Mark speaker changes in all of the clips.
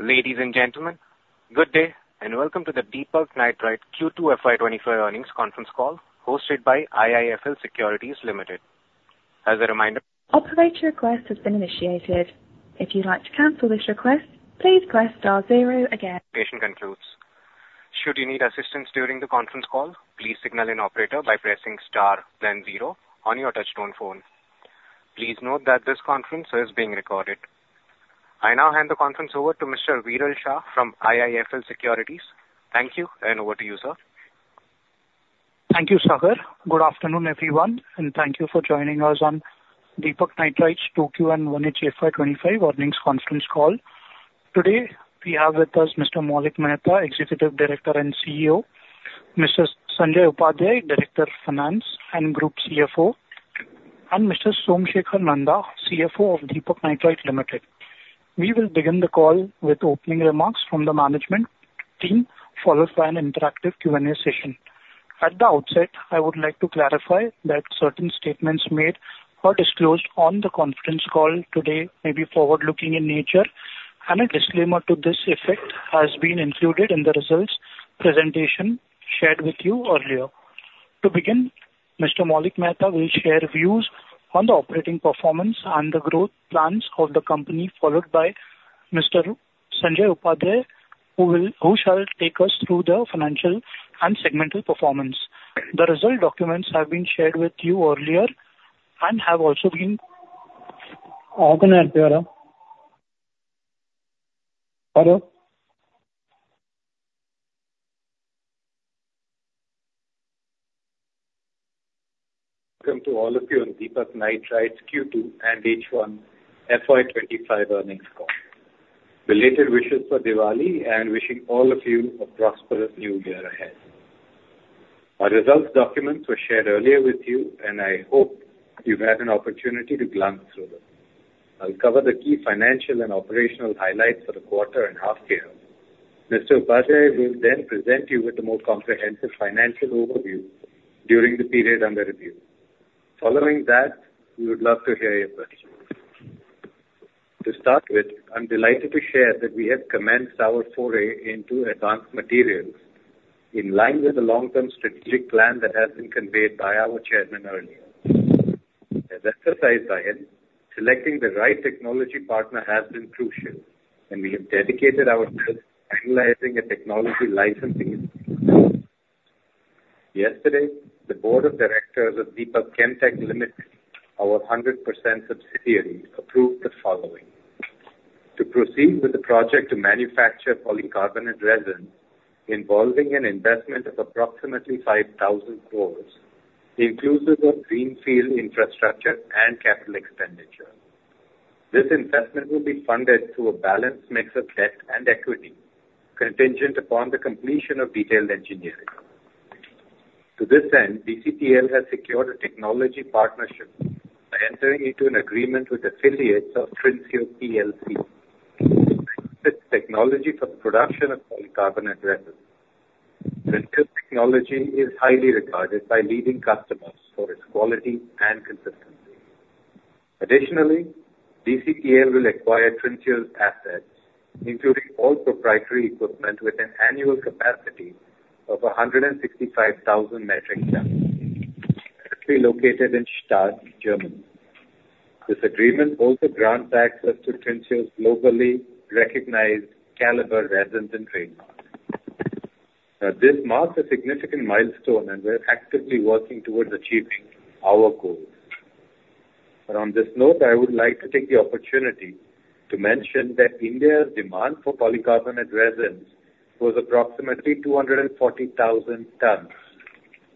Speaker 1: Ladies and gentlemen, good day and welcome to the Deepak Nitrite Q2 FY24 earnings conference call hosted by IIFL Securities Limited. As a reminder.
Speaker 2: Operator request has been initiated. If you'd like to cancel this request, please press star zero again.
Speaker 1: The presentation concludes. Should you need assistance during the conference call, please signal an operator by pressing star then zero on your touch-tone phone. Please note that this conference is being recorded. I now hand the conference over to Mr. Viral Shah from IIFL Securities. Thank you and over to you, sir.
Speaker 3: Thank you, Shah. Good afternoon, everyone, and thank you for joining us on Deepak Nitrite's Q2 and 1H FY25 earnings conference call. Today we have with us Mr. Maulik Mehta, Executive Director and CEO, Mr. Sanjay Upadhyay, Director of Finance and Group CFO, and Mr. Somsekhar Nanda, CFO of Deepak Nitrite Limited. We will begin the call with opening remarks from the management team, followed by an interactive Q&A session. At the outset, I would like to clarify that certain statements made or disclosed on the conference call today may be forward-looking in nature, and a disclaimer to this effect has been included in the results presentation shared with you earlier. To begin, Mr. Maulik Mehta will share views on the operating performance and the growth plans of the company, followed by Mr. Sanjay Upadhyay, who shall take us through the financial and segmental performance. The results documents have been shared with you earlier and have also been. Have an ad, Bharath. Hello.
Speaker 1: Welcome to all of you on Deepak Nitrite's Q2 and H1 FY25 earnings call. Heartfelt wishes for Diwali and wishing all of you a prosperous new year ahead. Our results documents were shared earlier with you, and I hope you've had an opportunity to glance through them. I'll cover the key financial and operational highlights for the quarter and half-year. Mr. Upadhyay will then present you with a more comprehensive financial overview during the period under review. Following that, we would love to hear your questions. To start with, I'm delighted to share that we have commenced our foray into advanced materials in line with the long-term strategic plan that has been conveyed by our chairman earlier. As emphasized by him, selecting the right technology partner has been crucial, and we have dedicated ourselves to analyzing a technology licensing plan. Yesterday, the Board of Directors of Deepak Chem Tech Limited, our 100% subsidiary, approved the following: to proceed with the project to manufacture polycarbonate resin involving an investment of approximately 5,000 crores, inclusive of greenfield infrastructure and capital expenditure. This investment will be funded through a balanced mix of debt and equity contingent upon the completion of detailed engineering. To this end, BCTL has secured a technology partnership by entering into an agreement with affiliates of Trinseo PLC to manufacture technology for the production of polycarbonate resin. Trinseo Technology is highly regarded by leading customers for its quality and consistency. Additionally, BCTL will acquire Trinseo's assets, including all proprietary equipment, with an annual capacity of 165,000 metric tons, and it will be located in Stade, Germany. This agreement also grants access to Trinseo's globally recognized caliber resins and traits. This marks a significant milestone, and we're actively working towards achieving our goals. On this note, I would like to take the opportunity to mention that India's demand for polycarbonate resins was approximately 240,000 tons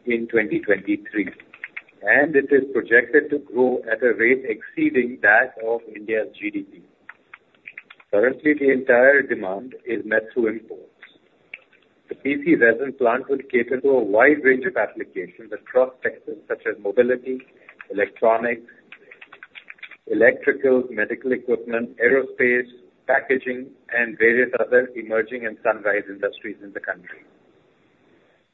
Speaker 1: in 2023, and it is projected to grow at a rate exceeding that of India's GDP. Currently, the entire demand is met through imports. The PC resin plant will cater to a wide range of applications across sectors such as mobility, electronics, electricals, medical equipment, aerospace, packaging, and various other emerging and sunrise industries in the country.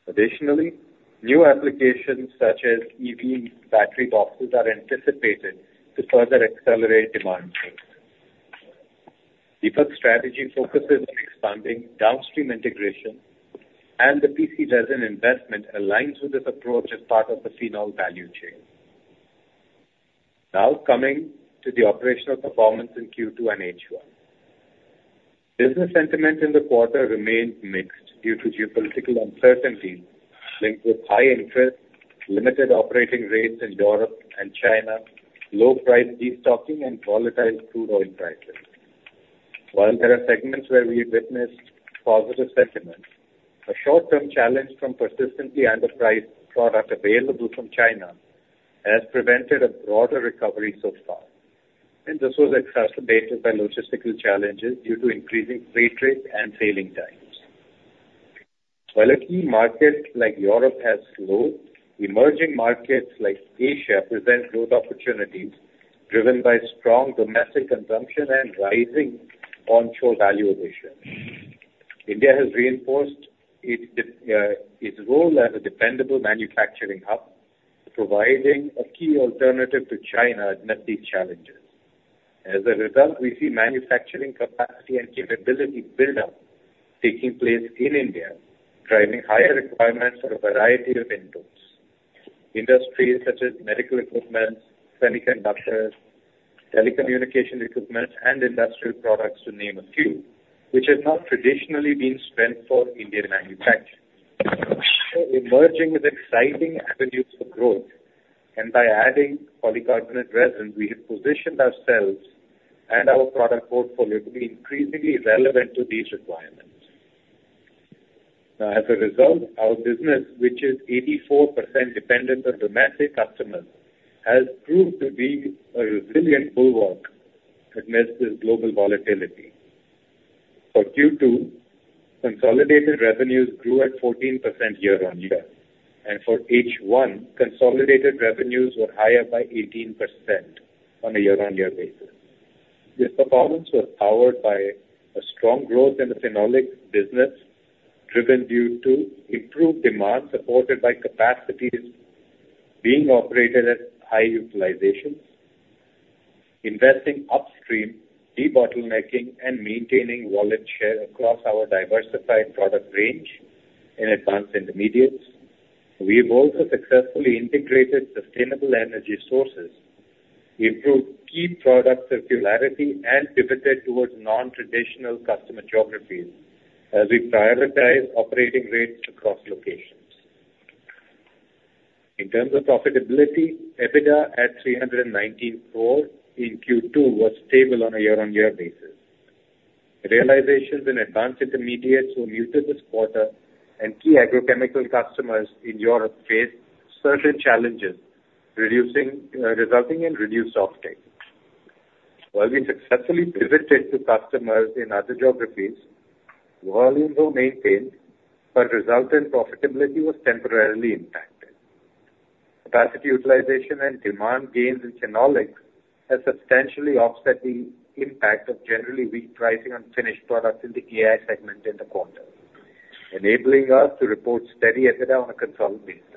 Speaker 1: Additionally, new applications such as EV battery boxes are anticipated to further accelerate demand growth. Deepak's strategy focuses on expanding downstream integration, and the PC resin investment aligns with this approach as part of the phenol value chain. Now coming to the operational performance in Q2 and H1. Business sentiment in the quarter remained mixed due to geopolitical uncertainties linked with high interest, limited operating rates in Europe and China, low price restocking, and volatile crude oil prices. While there are segments where we have witnessed positive sentiment, a short-term challenge from persistently underpriced product available from China has prevented a broader recovery so far, and this was exacerbated by logistical challenges due to increasing freight rates and sailing times. While a key market like Europe has slowed, emerging markets like Asia present growth opportunities driven by strong domestic consumption and rising onshore valuation. India has reinforced its role as a dependable manufacturing hub, providing a key alternative to China amid these challenges. As a result, we see manufacturing capacity and capability build-up taking place in India, driving higher requirements for a variety of inputs. Industries such as medical equipment, semiconductors, telecommunication equipment, and industrial products, to name a few, which have not traditionally been served by Indian manufacturing. Emerging with exciting avenues for growth, and by adding polycarbonate resins, we have positioned ourselves and our product portfolio to be increasingly relevant to these requirements. As a result, our business, which is 84% dependent on domestic customers, has proved to be a resilient bulwark amidst this global volatility. For Q2, consolidated revenues grew at 14% year-on-year, and for H1, consolidated revenues were higher by 18% on a year-on-year basis. This performance was powered by a strong growth in the phenolics business, driven due to improved demand supported by capacities being operated at high utilizations, investing upstream, debottlenecking, and maintaining wallet share across our diversified product range and advanced intermediates. We have also successfully integrated sustainable energy sources, improved key product circularity, and pivoted towards non-traditional customer geographies as we prioritize operating rates across locations. In terms of profitability, EBITDA at 319 crore in Q2 was stable on a year-on-year basis. Realizations in advanced intermediates were muted this quarter, and key agrochemical customers in Europe faced certain challenges, resulting in reduced offtake. While we successfully pivoted to customers in other geographies, volumes were maintained, but resultant profitability was temporarily impacted. Capacity utilization and demand gains in phenolics have substantially offset the impact of generally weak pricing on finished products in the AI segment in the quarter, enabling us to report steady EBITDA on a consolidated basis.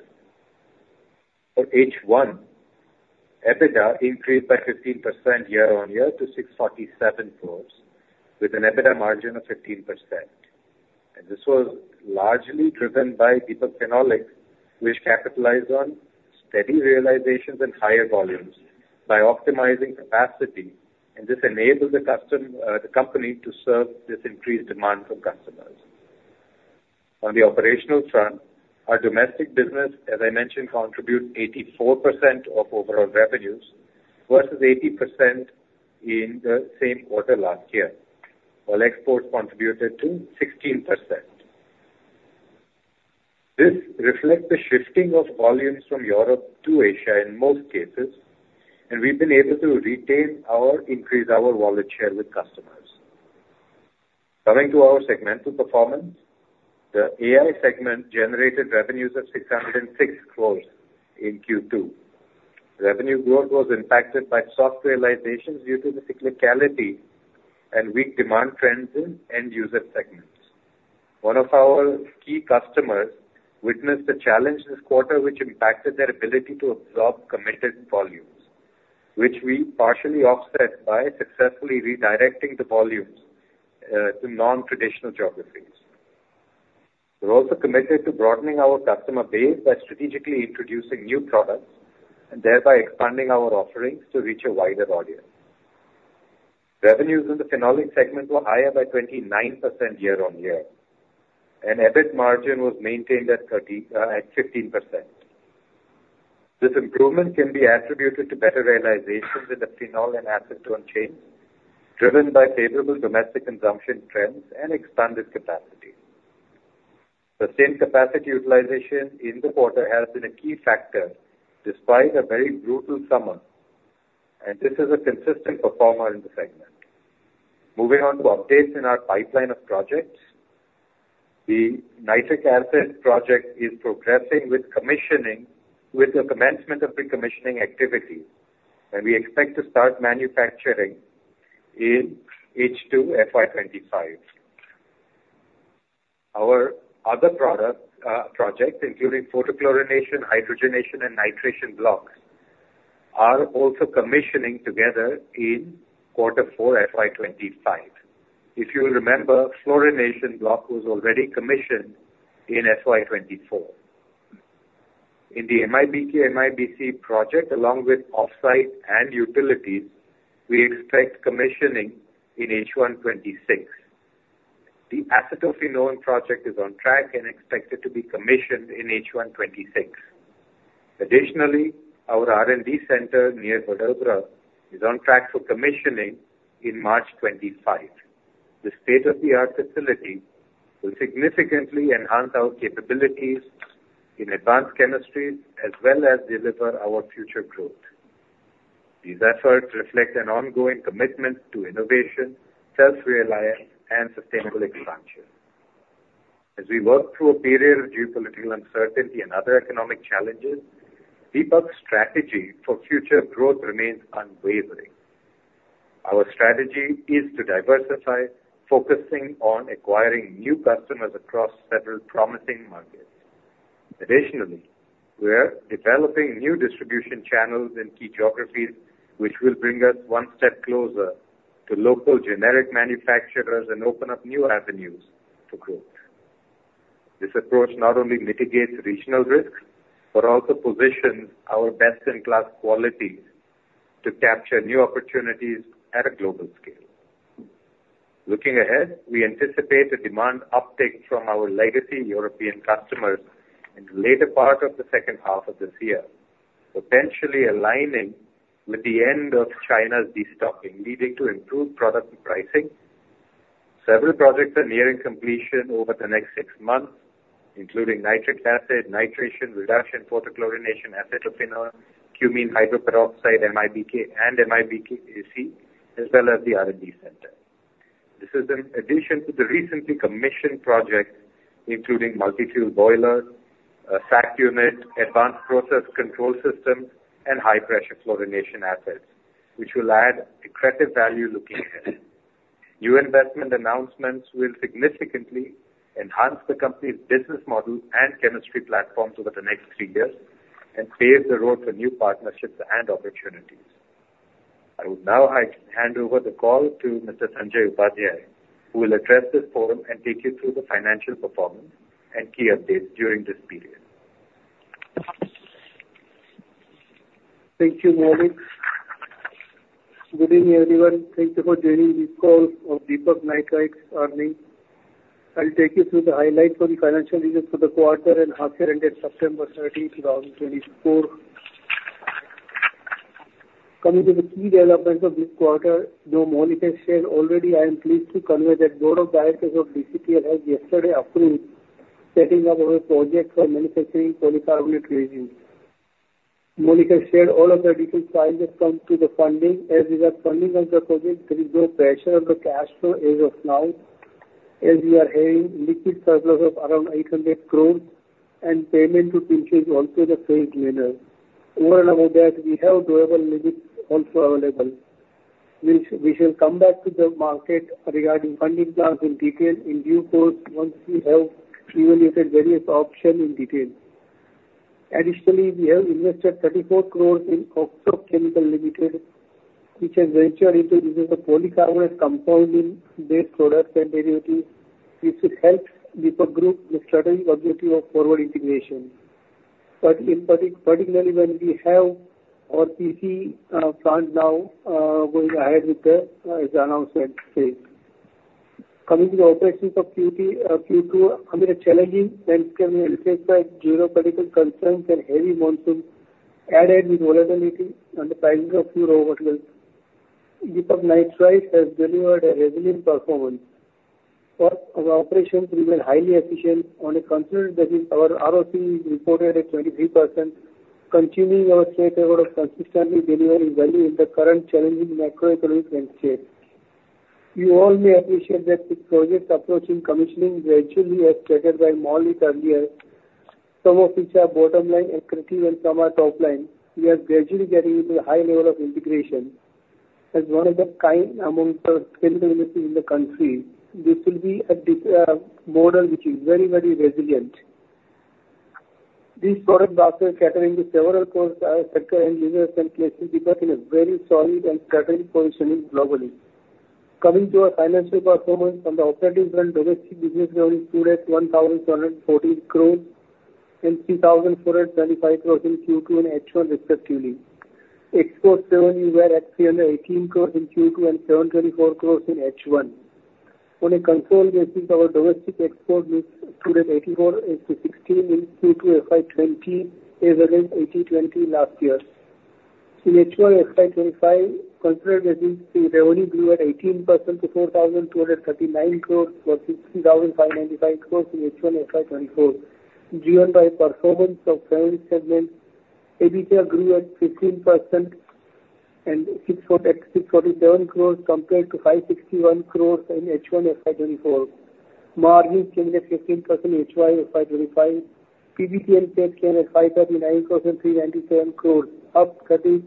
Speaker 1: For H1, EBITDA increased by 15% year-on-year to 647 crores, with an EBITDA margin of 15%. This was largely driven by Deepak Phenolics, which capitalized on steady realizations and higher volumes by optimizing capacity, and this enabled the company to serve this increased demand from customers. On the operational front, our domestic business, as I mentioned, contributed 84% of overall revenues versus 80% in the same quarter last year, while exports contributed to 16%. This reflects the shifting of volumes from Europe to Asia in most cases, and we've been able to retain or increase our wallet share with customers. Coming to our segmental performance, the EI segment generated revenues of 606 crores in Q2. Revenue growth was impacted by soft realizations due to the cyclicality and weak demand trends in end-user segments. One of our key customers witnessed a challenge this quarter, which impacted their ability to absorb committed volumes, which we partially offset by successfully redirecting the volumes to non-traditional geographies. We're also committed to broadening our customer base by strategically introducing new products and thereby expanding our offerings to reach a wider audience. Revenues in the Phenolics segment were higher by 29% year-on-year, and EBIT margin was maintained at 15%. This improvement can be attributed to better realization in the phenol and acetone chains, driven by favorable domestic consumption trends and expanded capacity. Sustained capacity utilization in the quarter has been a key factor despite a very brutal summer, and this is a consistent performer in the segment. Moving on to updates in our pipeline of projects, the nitric acid project is progressing with commissioning, with the commencement of pre-commissioning activity, and we expect to start manufacturing in H2 FY25. Our other projects, including photochlorination, hydrogenation, and nitration blocks, are also commissioning together in Q4 FY25. If you will remember, fluorination block was already commissioned in FY24. In the MIBK-MIBC project, along with offsite and utilities, we expect commissioning in H1 2026. The acetophenone project is on track and expected to be commissioned in H1 2026. Additionally, our R&D center near Vadodara is on track for commissioning in March 2025. This state-of-the-art facility will significantly enhance our capabilities in advanced chemistry as well as deliver our future growth. These efforts reflect an ongoing commitment to innovation, self-reliance, and sustainable expansion. As we work through a period of geopolitical uncertainty and other economic challenges, Deepak's strategy for future growth remains unwavering. Our strategy is to diversify, focusing on acquiring new customers across several promising markets. Additionally, we're developing new distribution channels in key geographies, which will bring us one step closer to local generic manufacturers and open up new avenues for growth. This approach not only mitigates regional risks but also positions our best-in-class quality to capture new opportunities at a global scale. Looking ahead, we anticipate a demand uptick from our legacy European customers in the later part of the second half of this year, potentially aligning with the end of China's destocking, leading to improved product pricing. Several projects are nearing completion over the next six months, including nitric acid, nitrogen, hydrogenation, photochlorination, acetophenone, cumene hydroperoxide, and MIBK, as well as the R&D center. This is in addition to the recently commissioned projects, including multi-fuel boilers, SAC units, advanced process control systems, and high-pressure fluorination assets, which will add accretive value looking ahead. New investment announcements will significantly enhance the company's business model and chemistry platforms over the next three years and pave the road for new partnerships and opportunities. I will now hand over the call to Mr. Sanjay Upadhyay, who will address this forum and take you through the financial performance and key updates during this period.
Speaker 4: Thank you, Maulik. Good evening, everyone. Thank you for joining this call on Deepak Nitrite's earnings. I'll take you through the highlights for the financial results for the quarter and half year ended September 30, 2024. Coming to the key developments of this quarter, though Maulik has shared already, I am pleased to convey that Board of Directors of BCTL has yesterday approved setting up of a project for manufacturing polycarbonate resins. Maulik has shared all of the detailed financials that come to the funding. As for funding of the project, there is no pressure on the cash flow as of now, as we are having liquidity surplus of around 800 crores and payments to be made in a phased manner. Overall, about that, we have a drawable limit also available. We shall come back to the market regarding funding plans in detail in due course once we have evaluated various options in detail. Additionally, we have invested 34 crores in Oxfam Chemical Limited, which has ventured into using the polycarbonate compounding-based product continuity, which helps Deepak Group with strategic objective of forward integration, but particularly when we have our PC plant now going ahead with the announcement phase. Coming to the operations of Q2, amid a challenging landscape and geopolitical concerns and heavy monsoons added with volatility and the pricing of fuel overshoots, Deepak Nitrite has delivered a resilient performance. Our operations remain highly efficient on a consolidated basis. Our ROCE reported at 23%, continuing our streak of consistently delivering value in the current challenging macroeconomic landscape. You all may appreciate that the projects approaching commissioning gradually as stated by Maulik earlier, some of which are bottom-line equity and some are top-line. We are gradually getting into the high level of integration. As one of the kind among the chemical industries in the country, this will be a model which is very, very resilient. These product boxes are catering to several sector end users and placing Deepak in a very solid and strategic position globally. Coming to our financial performance, on the operating front, domestic business revenue stood at 1,714 crores and 3,425 crores in Q2 and H1 respectively. Exports revenue were at 318 crores in Q2 and 724 crores in H1. On a consolidated basis, our domestic exports stood at 84 to 16 in Q2 FY2020, as against 80 to 20 last year. In H1 FY25, on a consolidated basis, the revenue grew at 18% to 4,239 crores versus 3,595 crores in H1 FY24. Driven by performance of phenolics segment, EBITDA grew at 15% to 647 crores compared to 561 crores in H1 FY24. Margin changed at 15% in H1 FY25. PBT and PAT came at INR 539 crores and INR 397 crores, up 13%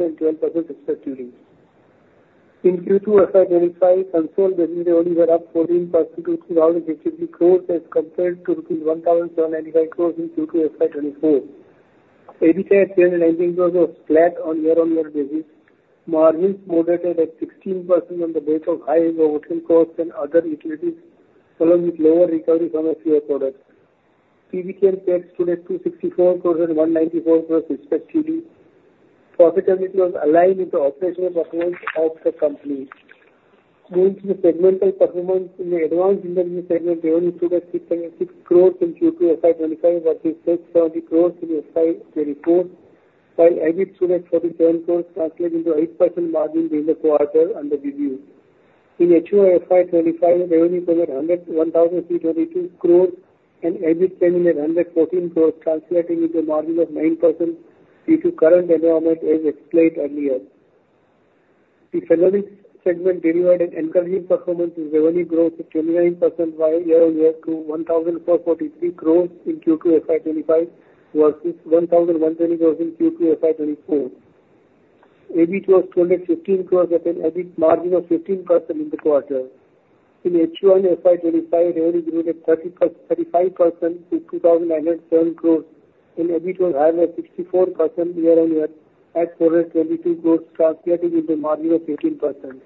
Speaker 4: and 12% respectively. In Q2 FY25, consolidated revenue was up 14% to INR 353 crores as compared to rupees 1,795 crores in Q2 FY24. EBITDA at INR 319 crores was flat on a year-on-year basis. Margins moderated at 16% on the base of higher overhead costs and other utilities, along with lower recovery from a few products. PBT and PAT stood at 264 crores and 194 crores respectively. Profitability was aligned with the operational performance of the company. Moving to the segmental performance, in the Advanced Intermediates segment, revenue stood at 676 crores in Q2 FY25 versus 670 crores in FY24, while EBIT stood at 47 crores, translating to 8% margin during the quarter under review. In H1 FY25, revenue came at INR 1,322 crores and EBIT came in at 114 crores, translating into a margin of 9% due to current environment as explained earlier. The Phenolics segment delivered an encouraging performance with revenue growth of 29% year-on-year to 1,443 crores in Q2 FY25 versus 1,120 crores in Q2 FY24. EBIT was 215 crores with an EBIT margin of 15% in the quarter. In H1 FY25, revenue grew at 35% to INR 2,907 crores and EBIT was higher at 64% year-on-year at 422 crores, translating into a margin of 18%.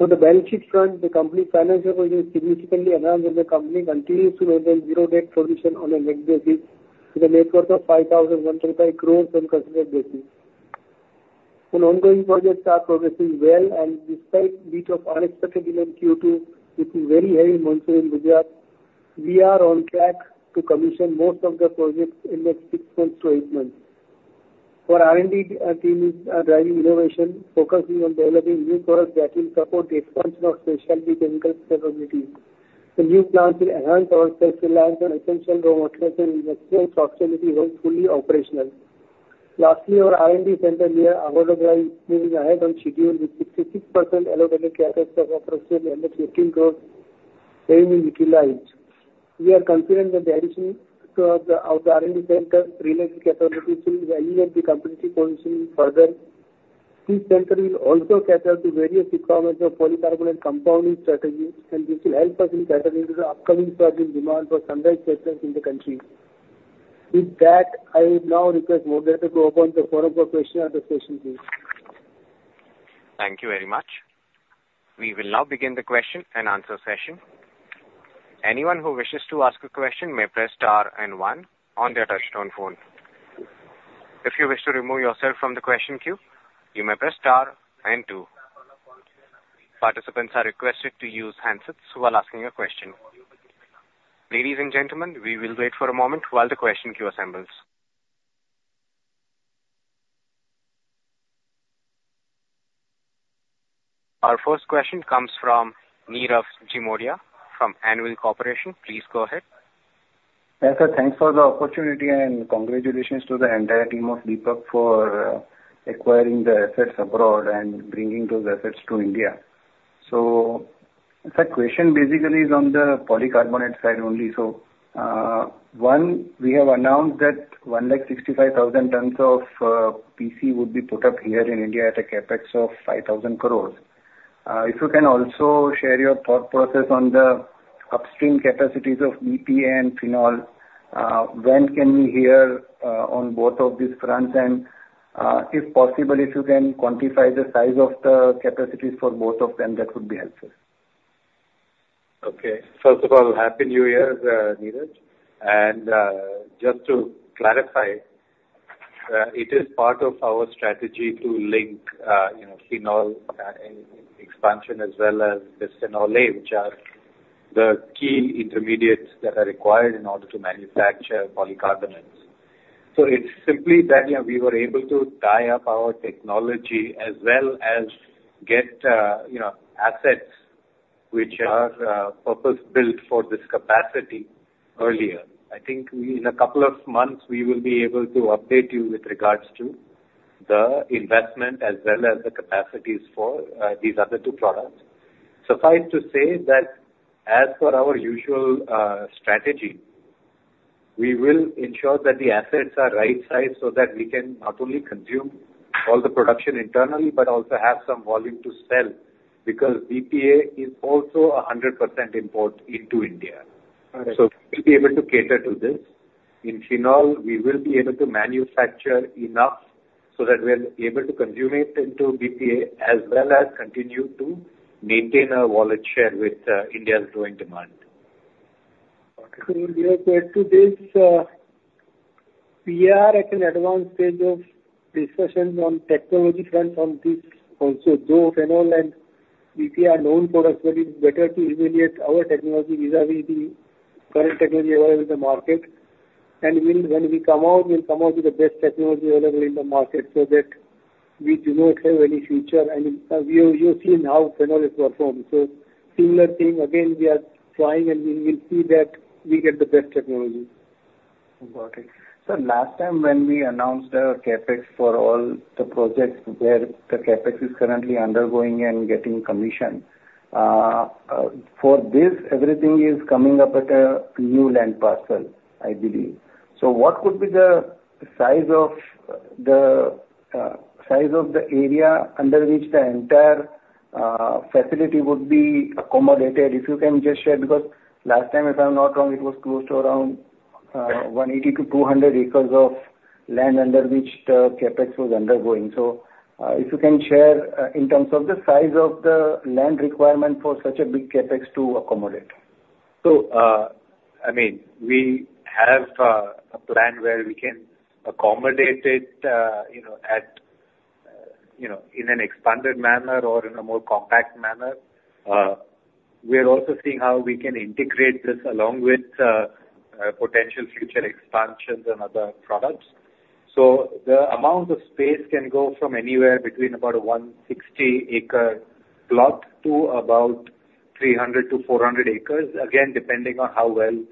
Speaker 4: On the balance sheet front, the company's financial position is significantly enhanced as the company continues to maintain zero-day position on a net basis with a net worth of 5,125 crores on a consolidated basis. On ongoing projects, we are progressing well and despite a bit of unexpected event Q2 with very heavy monsoon in Gujarat, we are on track to commission most of the projects in the next six months to eight months. Our R&D team is driving innovation, focusing on developing new products that will support the expansion of specialty chemical capabilities. The new plants will enhance our self-reliance on essential raw materials and industrial proximity, hopefully operational. Lastly, our R&D center near Ahmedabad is moving ahead on schedule with 66% allocated capital of approximately INR 115 crores having been utilized. We are confident that the addition of the R&D center related to capital will still elevate the competitive position further. This center will also cater to various requirements of polycarbonate compounding strategies and this will help us in catering to the upcoming surging demand for sunrise sectors in the country. With that, I now request Maulik Mehta to open the forum for questions and discussions.
Speaker 1: Thank you very much. We will now begin the question and answer session. Anyone who wishes to ask a question may press star and one on their touch-tone phone. If you wish to remove yourself from the question queue, you may press star and two. Participants are requested to use handsets while asking a question. Ladies and gentlemen, we will wait for a moment while the question queue assembles. Our first question comes from Nirav Jimudia from Anvil Corporation. Please go ahead.
Speaker 5: Thanks for the opportunity and congratulations to the entire team of Deepak for acquiring the assets abroad and bringing those assets to India. So the question basically is on the polycarbonate side only. So one, we have announced that 165,000 tons of PC would be put up here in India at a CapEx of 5,000 crores. If you can also share your thought process on the upstream capacities of BPA and phenol, when can we hear on both of these fronts? And if possible, if you can quantify the size of the capacities for both of them, that would be helpful.
Speaker 1: Okay. First of all, happy New Year, Nirav. And just to clarify, it is part of our strategy to link phenol expansion as well as BPA, which are the key intermediates that are required in order to manufacture polycarbonates. So it's simply that we were able to tie up our technology as well as get assets which are purpose-built for this capacity earlier. I think in a couple of months, we will be able to update you with regards to the investment as well as the capacities for these other two products. Suffice to say that as per our usual strategy, we will ensure that the assets are right-sized so that we can not only consume all the production internally but also have some volume to sell because BPA is also 100% import into India. So we will be able to cater to this. In phenol, we will be able to manufacture enough so that we are able to consume it into BPA as well as continue to maintain our wallet share with India's growing demand. Okay.
Speaker 4: We are at an advanced stage of discussions on technology fronts on this also. Though phenol and BPA are known products, but it's better to evaluate our technology vis-à-vis the current technology available in the market. When we come out, we'll come out with the best technology available in the market so that we do not have any future. You've seen how phenol has performed. Similar thing, again, we are trying and we will see that we get the best technology. Got it. Last time when we announced our CapEx for all the projects where the CapEx is currently undergoing and getting commissioned, for this, everything is coming up at a new land parcel, I believe. What would be the size of the area under which the entire facility would be accommodated?
Speaker 1: If you can just share, because last time, if I'm not wrong, it was close to around 180-200 acres of land under which the CapEx was undergoing. So if you can share in terms of the size of the land requirement for such a big CapEx to accommodate? So I mean, we have a plan where we can accommodate it in an expanded manner or in a more compact manner. We are also seeing how we can integrate this along with potential future expansions and other products. So the amount of space can go from anywhere between about a 160-acre plot to about 300-400 acres, again, depending on how well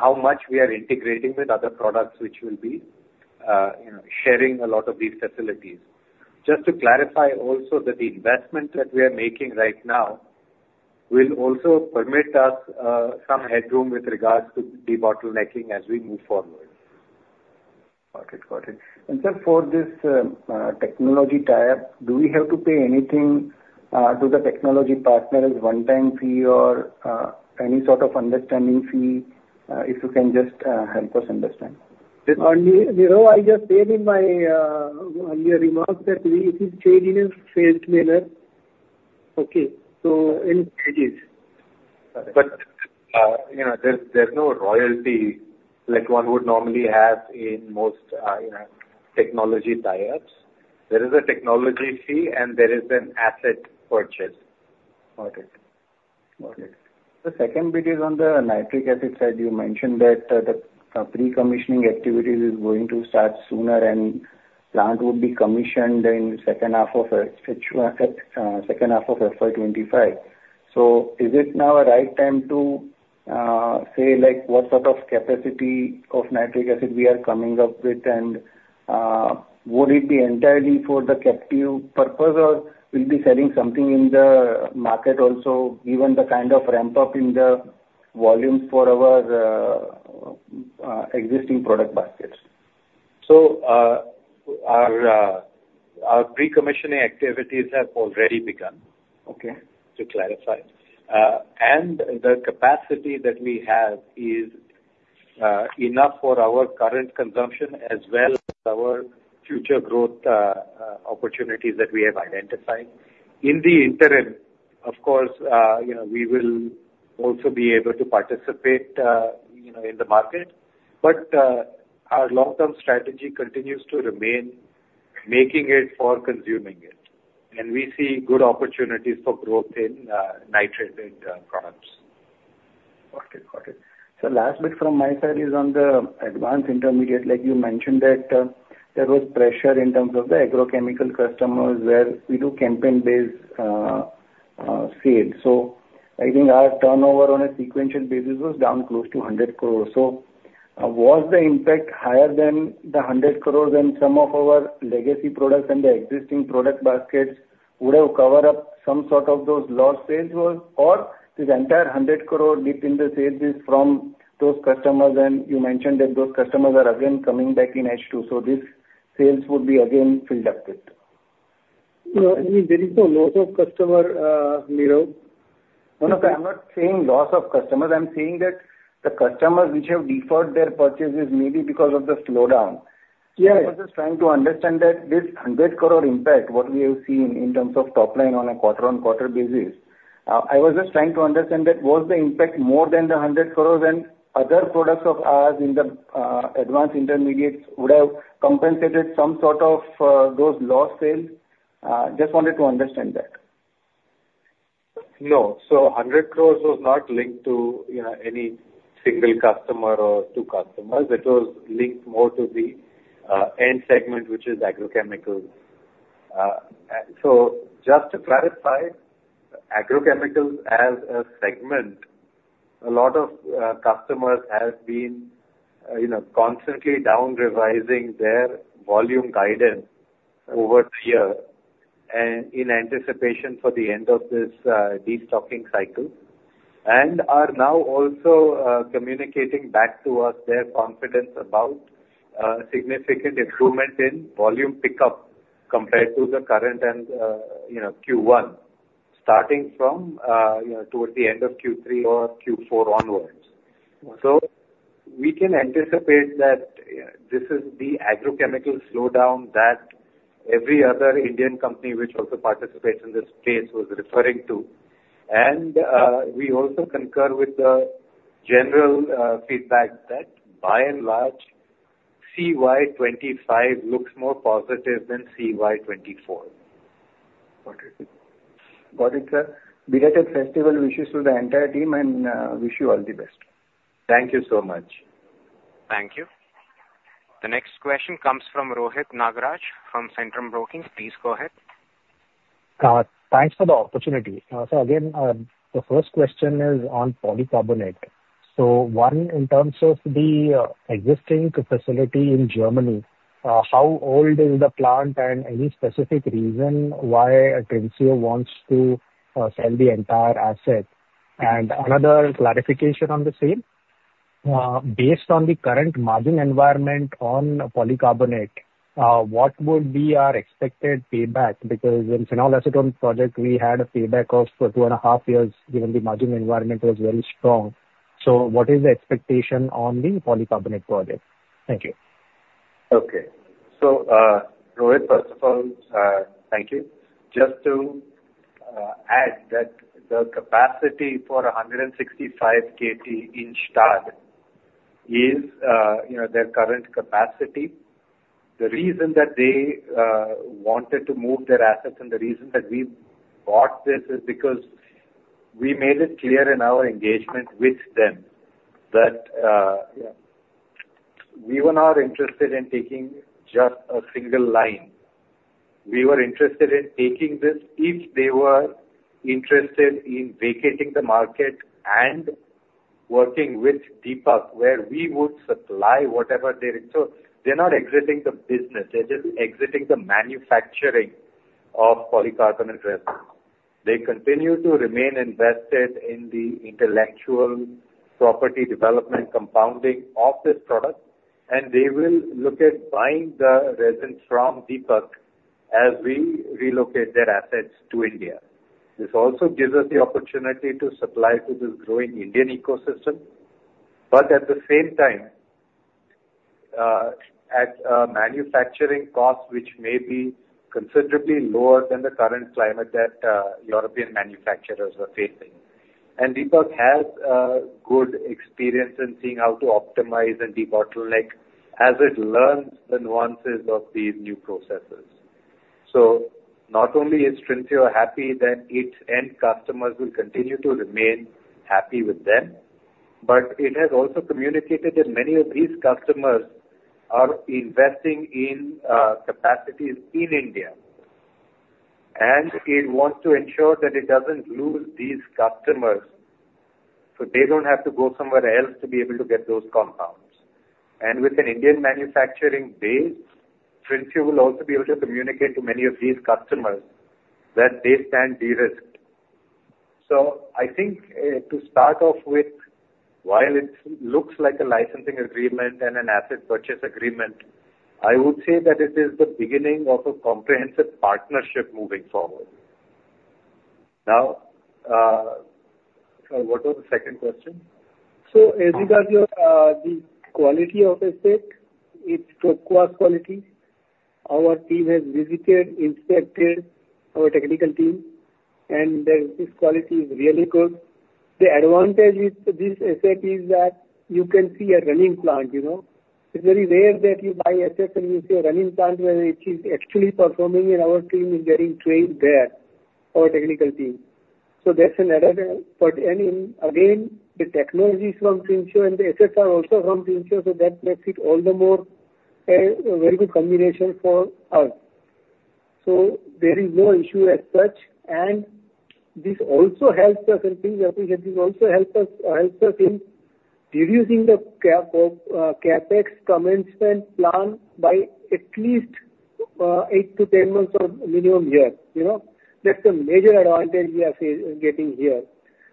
Speaker 1: how much we are integrating with other products which will be sharing a lot of these facilities. Just to clarify also that the investment that we are making right now will also permit us some headroom with regards to debottlenecking as we move forward. Got it. Got it. And so for this technology tie, do we have to pay anything to the technology partner as one-time fee or any sort of understanding fee? If you can just help us understand. Nirav, I just made in my earlier remarks that we is trading in a phased manner. Okay. So in stages. But there's no royalty like one would normally have in most technology tie-ups. There is a technology fee and there is an asset purchase.
Speaker 5: Got it. Got it. The second bit is on the nitric acid side. You mentioned that the pre-commissioning activities is going to start sooner and plant would be commissioned in the second half of FY25.
Speaker 6: So is it now a right time to say what sort of capacity of nitric acid we are coming up with? And would it be entirely for the captive purpose or will be selling something in the market also, given the kind of ramp-up in the volumes for our existing product baskets? So our pre-commissioning activities have already begun, to clarify. And the capacity that we have is enough for our current consumption as well as our future growth opportunities that we have identified. In the interim, of course, we will also be able to participate in the market. But our long-term strategy continues to remain making it for consuming it. And we see good opportunities for growth in nitrate-based products. Got it. Got it. So last bit from my side is on the advanced intermediate.
Speaker 1: Like you mentioned that there was pressure in terms of the agrochemical customers where we do campaign-based sales. So I think our turnover on a sequential basis was down close to 100 crores. So was the impact higher than the 100 crores and some of our legacy products and the existing product baskets would have covered up some sort of those lost sales? Or this entire 100 crore dip in the sales is from those customers and you mentioned that those customers are again coming back in H2, so this sales would be again filled up with? I mean, there is no loss of customer, Nirav. I'm not saying loss of customers. I'm saying that the customers which have deferred their purchases maybe because of the slowdown. I was just trying to understand that this 100 crore impact, what we have seen in terms of top line on a quarter-on-quarter basis. I was just trying to understand that was the impact more than the 100 crores and other products of ours in the advanced intermediates would have compensated some sort of those lost sales? Just wanted to understand that. No. So 100 crores was not linked to any single customer or two customers. It was linked more to the end segment, which is agrochemicals. So just to clarify, agrochemicals as a segment, a lot of customers have been constantly downrevising their volume guidance over the year in anticipation for the end of this destocking cycle, and are now also communicating back to us their confidence about significant improvement in volume pickup compared to the current and Q1, starting from towards the end of Q3 or Q4 onwards. We can anticipate that this is the agrochemical slowdown that every other Indian company which also participates in this space was referring to. And we also concur with the general feedback that by and large, CY25 looks more positive than CY24. Got it. Got it, sir. Nirav, happy festival wishes to the entire team and wish you all the best. Thank you so much.
Speaker 2: Thank you. The next question comes from Rohit Nagaraj from Centrum Broking. Please go ahead.
Speaker 7: Thanks for the opportunity. So again, the first question is on polycarbonate. So one, in terms of the existing facility in Germany, how old is the plant and any specific reason why Trinseo wants to sell the entire asset? And another clarification on the same. Based on the current margin environment on polycarbonate, what would be our expected payback? Because in phenol acetone project, we had a payback of two and a half years given the margin environment was very strong. So what is the expectation on the polycarbonate project? Thank you.
Speaker 1: Okay. So Rohit, first of all, thank you. Just to add that the capacity for 165 KT each tonne is their current capacity. The reason that they wanted to move their assets and the reason that we bought this is because we made it clear in our engagement with them that we were not interested in taking just a single line. We were interested in taking this if they were interested in vacating the market and working with Deepak where we would supply whatever they. So they're not exiting the business. They're just exiting the manufacturing of polycarbonate resins. They continue to remain invested in the intellectual property development compounding of this product. And they will look at buying the resins from Deepak as we relocate their assets to India. This also gives us the opportunity to supply to this growing Indian ecosystem. But at the same time, at manufacturing costs which may be considerably lower than the current climate that European manufacturers are facing. And Deepak has good experience in seeing how to optimize and debottleneck as it learns the nuances of these new processes. So not only is Trinseo happy that its end customers will continue to remain happy with them, but it has also communicated that many of these customers are investing in capacities in India. And it wants to ensure that it doesn't lose these customers so they don't have to go somewhere else to be able to get those compounds. With an Indian manufacturing base, Trinseo will also be able to communicate to many of these customers that they stand derisked. I think to start off with, while it looks like a licensing agreement and an asset purchase agreement, I would say that it is the beginning of a comprehensive partnership moving forward. Now, what was the second question? Regarding the quality of SF, it's top-class quality. Our team has visited, inspected our technical team, and this quality is really good. The advantage with this SF is that you can see a running plant. It's very rare that you buy SF and you see a running plant where it is actually performing and our team is getting trained there, our technical team. That's another thing. But again, the technology is from Trinseo and the assets are also from Trinseo, so that makes it all the more a very good combination for us. So there is no issue as such. And this also helps us in things that we have. This also helps us in reducing the CapEx commencement plan by at least 8-10 months or minimum year. That's the major advantage we are getting here.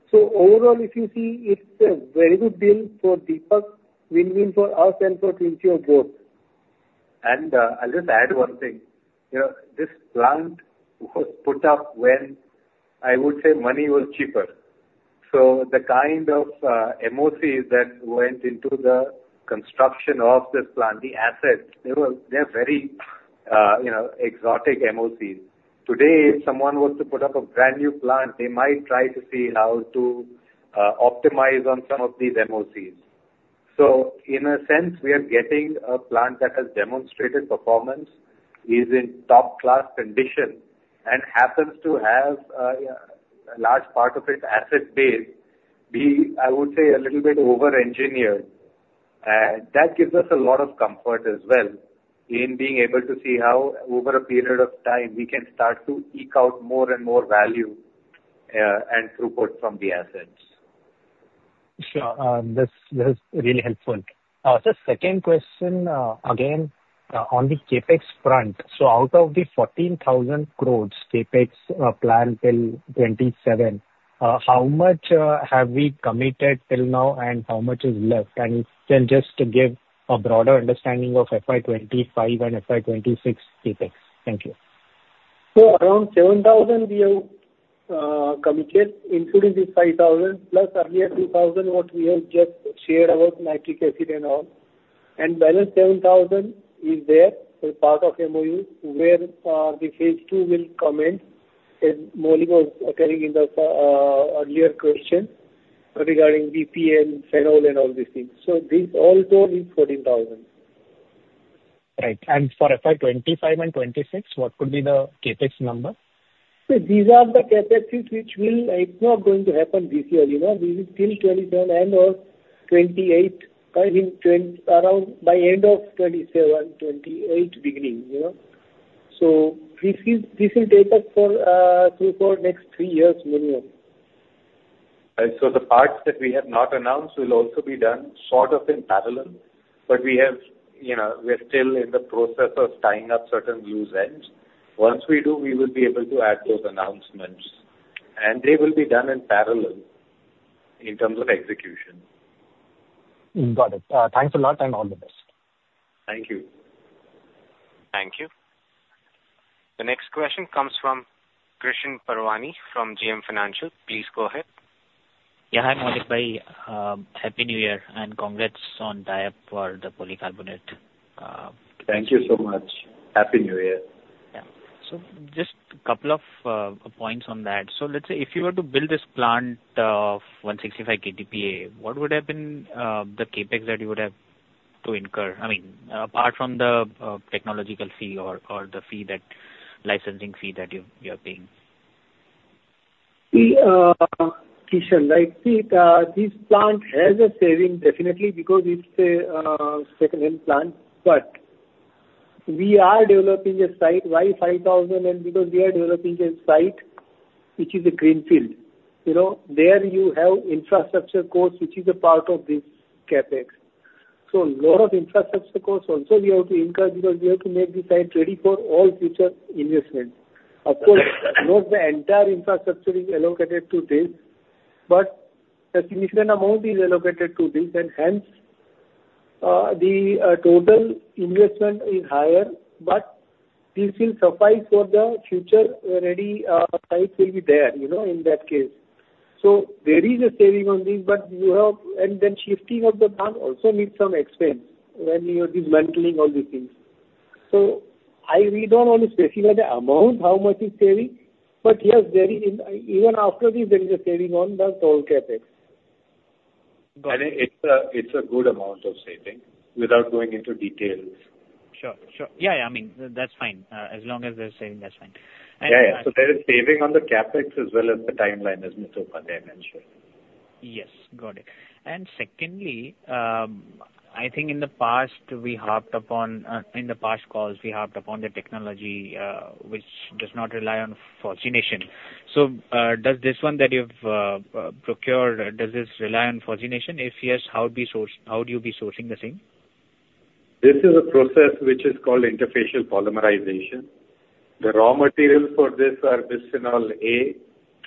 Speaker 1: So overall, if you see, it's a very good deal for Deepak, win-win for us and for Trinseo both. And I'll just add one thing. This plant was put up when I would say money was cheaper. So the kind of MOCs that went into the construction of this plant, the assets, they're very exotic MOCs. Today, if someone was to put up a brand new plant, they might try to see how to optimize on some of these MOCs. So in a sense, we are getting a plant that has demonstrated performance, is in top-class condition, and happens to have a large part of it asset-based, I would say a little bit over-engineered. And that gives us a lot of comfort as well in being able to see how over a period of time, we can start to eke out more and more value and throughput from the assets. Sure. This is really helpful. The second question, again, on the CapEx front. So out of the 14,000 crores CapEx plan till 2027, how much have we committed till now and how much is left? And then just to give a broader understanding of FY25 and FY26 CapEx. Thank you. So around 7,000 we have committed, including this 5,000, plus earlier 2,000 what we have just shared about nitric acid and all. And balance 7,000 is there for part of MOU where the phase two will commence as Maulik was telling in the earlier question regarding BPA and phenol and all these things. So this all goal is 14,000. Right. And for FY25 and 26, what could be the CapEx number? These are the CapExes which will not going to happen this year. This is till 27 and/or 28, I mean, around by end of 27, 28 beginning. So this will take us through for next three years minimum. So the parts that we have not announced will also be done sort of in parallel. But we are still in the process of tying up certain loose ends. Once we do, we will be able to add those announcements. And they will be done in parallel in terms of execution.
Speaker 7: Got it. Thanks a lot and all the best. Thank you.
Speaker 2: Thank you. The next question comes from Krishan Parwani from JM Financial. Please go ahead.
Speaker 8: Yeah. Hi, Maulik Mehta. Happy New Year and congrats on tie-up for the polycarbonate. Thank you so much. Happy New Year. Yeah. So just a couple of points on that. So let's say if you were to build this plant of 165 KTPA, what would have been the CapEx that you would have to incur? I mean, apart from the technological fee or the licensing fee that you are paying.
Speaker 1: See, Krishan, like this plant has a saving definitely because it's a second-hand plant. But we are developing a site of 5,000 and because we are developing a site which is a greenfield. There you have infrastructure costs, which is a part of this CapEx. So a lot of infrastructure costs also we have to incur because we have to make this site ready for all future investments. Of course, not the entire infrastructure is allocated to this. But a significant amount is allocated to this. And hence, the total investment is higher. But this will suffice for the future ready site will be there in that case. So there is a saving on this. But you have and then shifting of the plant also needs some expense when you are dismantling all these things. So we don't want to specify the amount, how much is saving. But yes, even after this, there is a saving on the total CapEx. Got it. And it's a good amount of saving without going into details. Sure. Sure. Yeah. I mean, that's fine. As long as there's saving, that's fine. Yeah. So there is saving on the capex as well as the timeline, as Ms. Upadhyay mentioned. Yes. Got it. And secondly, I think in the past, in the past calls, we harped upon the technology which does not rely on phosgenation. So does this one that you've procured, does this rely on phosgenation? If yes, how would you be sourcing the same? This is a process which is called interfacial polymerization. The raw materials for this are Bisphenol A,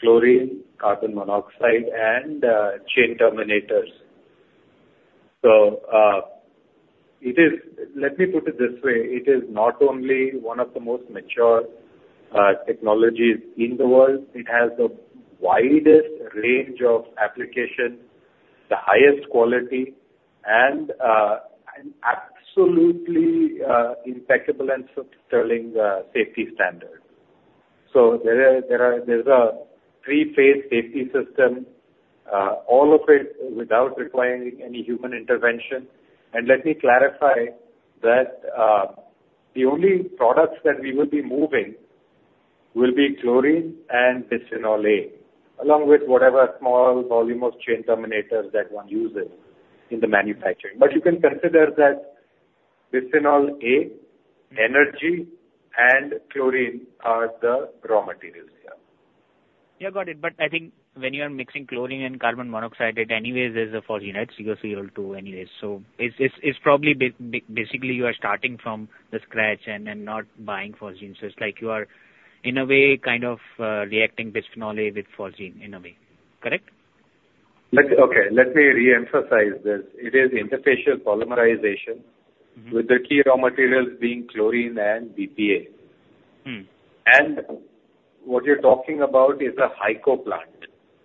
Speaker 1: chlorine, carbon monoxide, and chain terminators. So let me put it this way. It is not only one of the most mature technologies in the world. It has the widest range of application, the highest quality, and absolutely impeccable and suitable in the safety standard. So there's a three-phase safety system, all of it without requiring any human intervention. Let me clarify that the only products that we will be moving will be chlorine and Bisphenol A, along with whatever small volume of chain terminators that one uses in the manufacturing. You can consider that Bisphenol A, energy, and chlorine are the raw materials here.
Speaker 8: Yeah. Got it. I think when you are mixing chlorine and carbon monoxide, it anyway is a phosgene COCl2 anyway. So it's probably basically you are starting from scratch and not buying phosgene. It's like you are in a way kind of reacting Bisphenol A with phosgene in a way. Correct?
Speaker 1: Okay. Let me reemphasize this. It is interfacial polymerization with the key raw materials being chlorine and BPA. What you're talking about is a HyCO plant,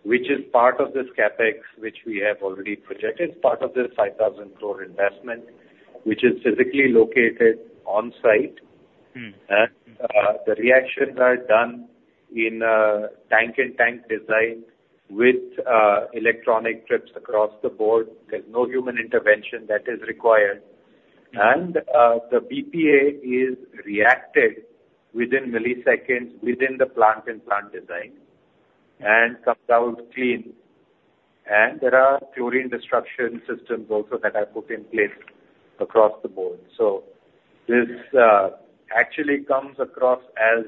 Speaker 1: which is part of this CapEx which we have already projected, part of this 5,000 crore investment, which is physically located on site. The reactions are done in tank-in-tank design with electronic trips across the board. There's no human intervention that is required. The BPA is reacted within milliseconds within the plant-in-plant design and comes out clean. There are chlorine destruction systems also that are put in place across the board. So this actually comes across as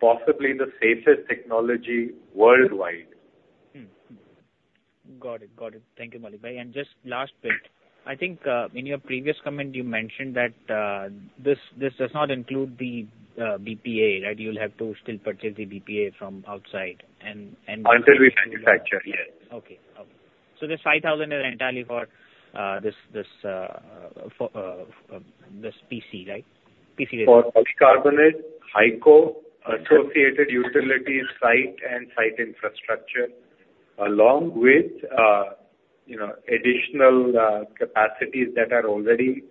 Speaker 1: possibly the safest technology worldwide.
Speaker 8: Got it. Got it. Thank you, Maulik Mehta. Just last bit. I think in your previous comment, you mentioned that this does not include the BPA, right? You'll have to still purchase the BPA from outside and. Until we manufacture, yes. Okay. Okay. So this 5,000 crore is entirely for this PC, right? PC design.
Speaker 1: For polycarbonate, HyCO associated utility site and site infrastructure, along with additional capacities that are already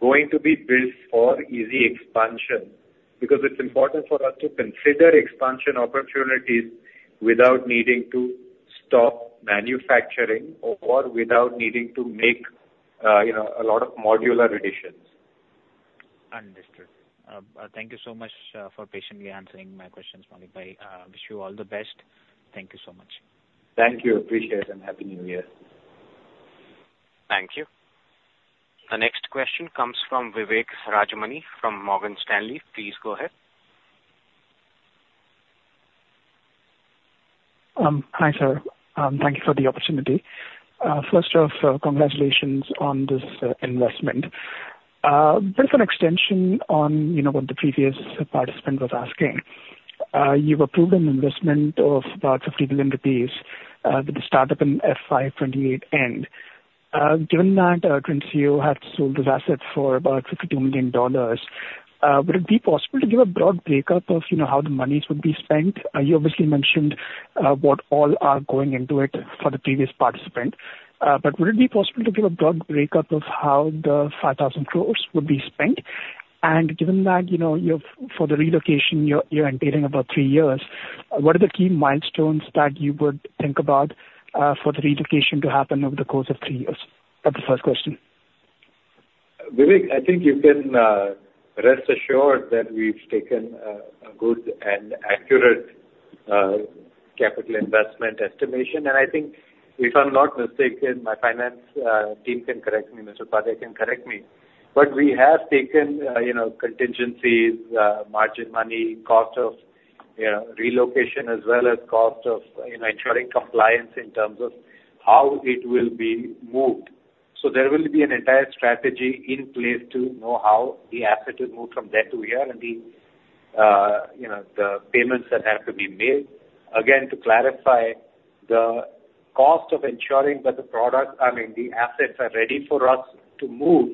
Speaker 1: going to be built for easy expansion because it's important for us to consider expansion opportunities without needing to stop manufacturing or without needing to make a lot of modular additions. Understood. Thank you so much for patiently answering my questions, Maulik Mehta. I wish you all the best. Thank you so much.
Speaker 4: Thank you. Appreciate it. And happy New Year.
Speaker 2: Thank you. The next question comes from Vivek Rajamani from Morgan Stanley. Please go ahead.
Speaker 9: Hi, sir. Thank you for the opportunity. First off, congratulations on this investment. A bit of an extension on what the previous participant was asking. You've approved an investment of about 50 million rupees with the startup and FY28 end. Given that Trinseo had sold its assets for about $52 million, would it be possible to give a broad breakdown of how the monies would be spent? You obviously mentioned what all are going into it for the previous participant. But would it be possible to give a broad breakdown of how the 5,000 crores would be spent? And given that for the relocation, you're indicating about three years, what are the key milestones that you would think about for the relocation to happen over the course of three years? That's the first question.
Speaker 1: Vivek, I think you can rest assured that we've taken a good and accurate capital investment estimation. And I think if I'm not mistaken, my finance team can correct me. Mr. Upadhyay can correct me. But we have taken contingencies, margin money, cost of relocation, as well as cost of ensuring compliance in terms of how it will be moved. So there will be an entire strategy in place to know how the asset is moved from there to here and the payments that have to be made. Again, to clarify, the cost of ensuring that the product, I mean, the assets are ready for us to move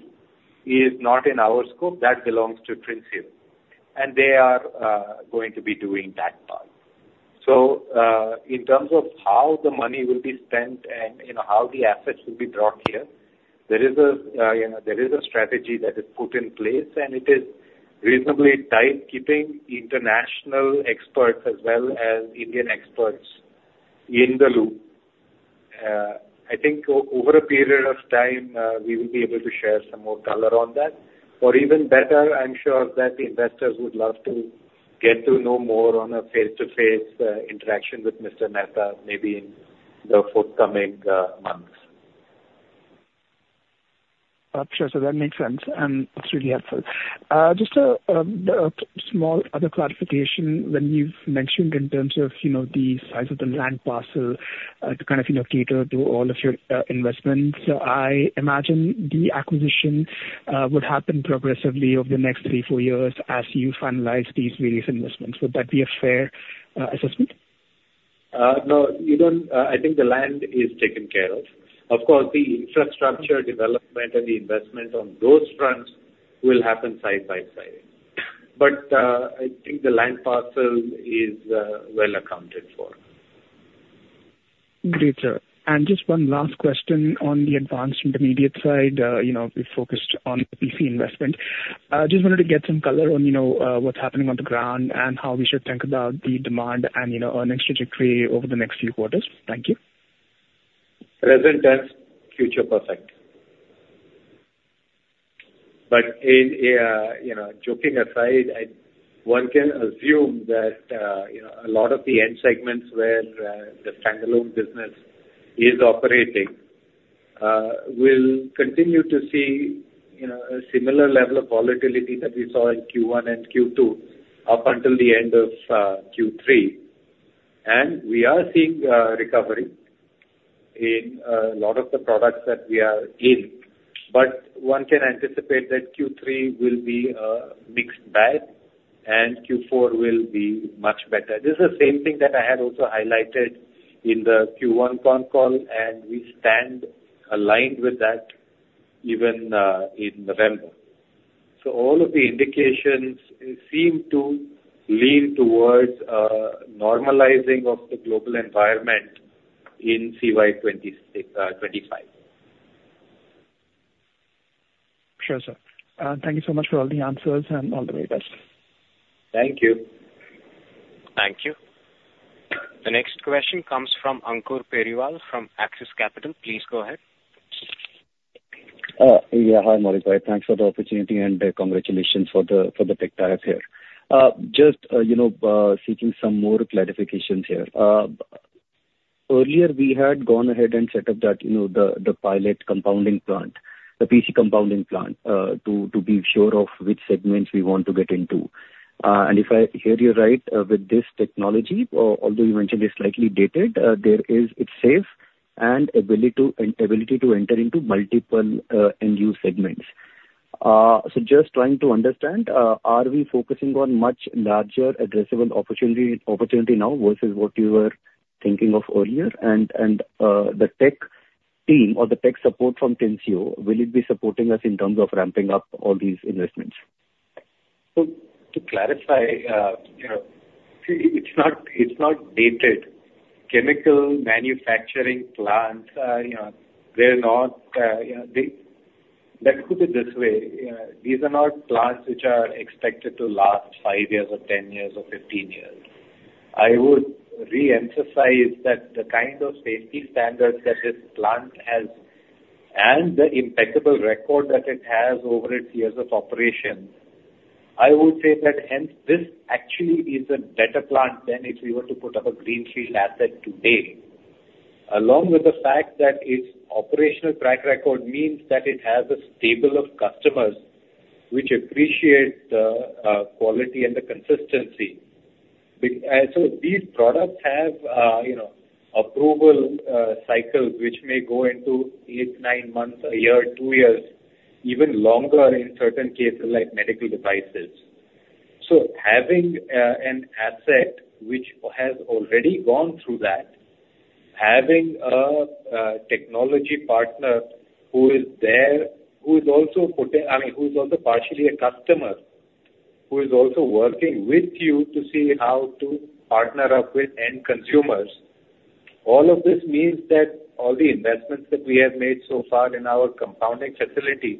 Speaker 1: is not in our scope. That belongs to Trinseo. And they are going to be doing that part. So in terms of how the money will be spent and how the assets will be brought here, there is a strategy that is put in place. And it is reasonably tight, keeping international experts as well as Indian experts in the loop. I think over a period of time, we will be able to share some more color on that, or even better, I'm sure that the investors would love to get to know more on a face-to-face interaction with Mr. Mehta, maybe in the forthcoming months.
Speaker 9: Sure, so that makes sense, and that's really helpful. Just a small other clarification. When you've mentioned in terms of the size of the land parcel to kind of cater to all of your investments, I imagine the acquisition would happen progressively over the next three, four years as you finalize these various investments. Would that be a fair assessment?
Speaker 1: No, I think the land is taken care of. Of course, the infrastructure development and the investment on those fronts will happen side by side, but I think the land parcel is well accounted for. Great, sir.
Speaker 9: Just one last question on the advanced intermediate side. We've focused on the PC investment. Just wanted to get some color on what's happening on the ground and how we should think about the demand and earnings trajectory over the next few quarters. Thank you.
Speaker 1: Present tense, future perfect. But joking aside, one can assume that a lot of the end segments where the standalone business is operating will continue to see a similar level of volatility that we saw in Q1 and Q2 up until the end of Q3. And we are seeing recovery in a lot of the products that we are in. But one can anticipate that Q3 will be a mixed bag and Q4 will be much better. This is the same thing that I had also highlighted in the Q1 con call. And we stand aligned with that even in November. So all of the indications seem to lean towards a normalizing of the global environment in CY25.
Speaker 9: Sure, sir. Thank you so much for all the answers and all the very best. Thank you.
Speaker 2: Thank you. The next question comes from Ankur Periwal from Axis Capital. Please go ahead. Yeah. Hi, Maulik Mehta. Thanks for the opportunity and congratulations for the big tie-up here. Just seeking some more clarifications here. Earlier, we had gone ahead and set up the pilot compounding plant, the PC compounding plant, to be sure of which segments we want to get into. And if I hear you right, with this technology, although you mentioned it's slightly dated, it's safe and ability to enter into multiple end-use segments. So just trying to understand, are we focusing on much larger addressable opportunity now versus what you were thinking of earlier?
Speaker 10: And the tech team or the tech support from Trinseo, will it be supporting us in terms of ramping up all these investments?
Speaker 1: So to clarify, it's not dated. Chemical manufacturing plants, they're not let's put it this way. These are not plants which are expected to last five years or 10 years or 15 years. I would re-emphasize that the kind of safety standards that this plant has and the impeccable record that it has over its years of operation. I would say that this actually is a better plant than if we were to put up a greenfield asset today. Along with the fact that its operational track record means that it has a stable of customers which appreciate the quality and the consistency. So these products have approval cycles which may go into eight, nine months, a year, two years, even longer in certain cases like medical devices. So having an asset which has already gone through that, having a technology partner who is there, who is also putting I mean, who is also partially a customer, who is also working with you to see how to partner up with end consumers, all of this means that all the investments that we have made so far in our compounding facility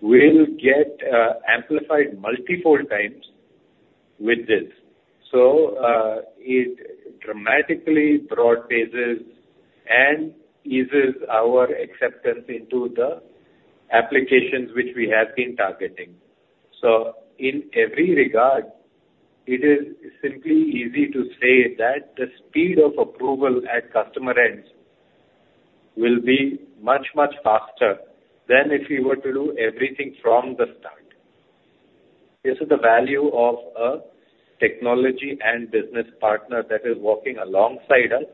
Speaker 1: will get amplified multiple times with this. So it dramatically broadens and eases our acceptance into the applications which we have been targeting. So in every regard, it is simply easy to say that the speed of approval at customer ends will be much, much faster than if we were to do everything from the start. This is the value of a technology and business partner that is walking alongside us.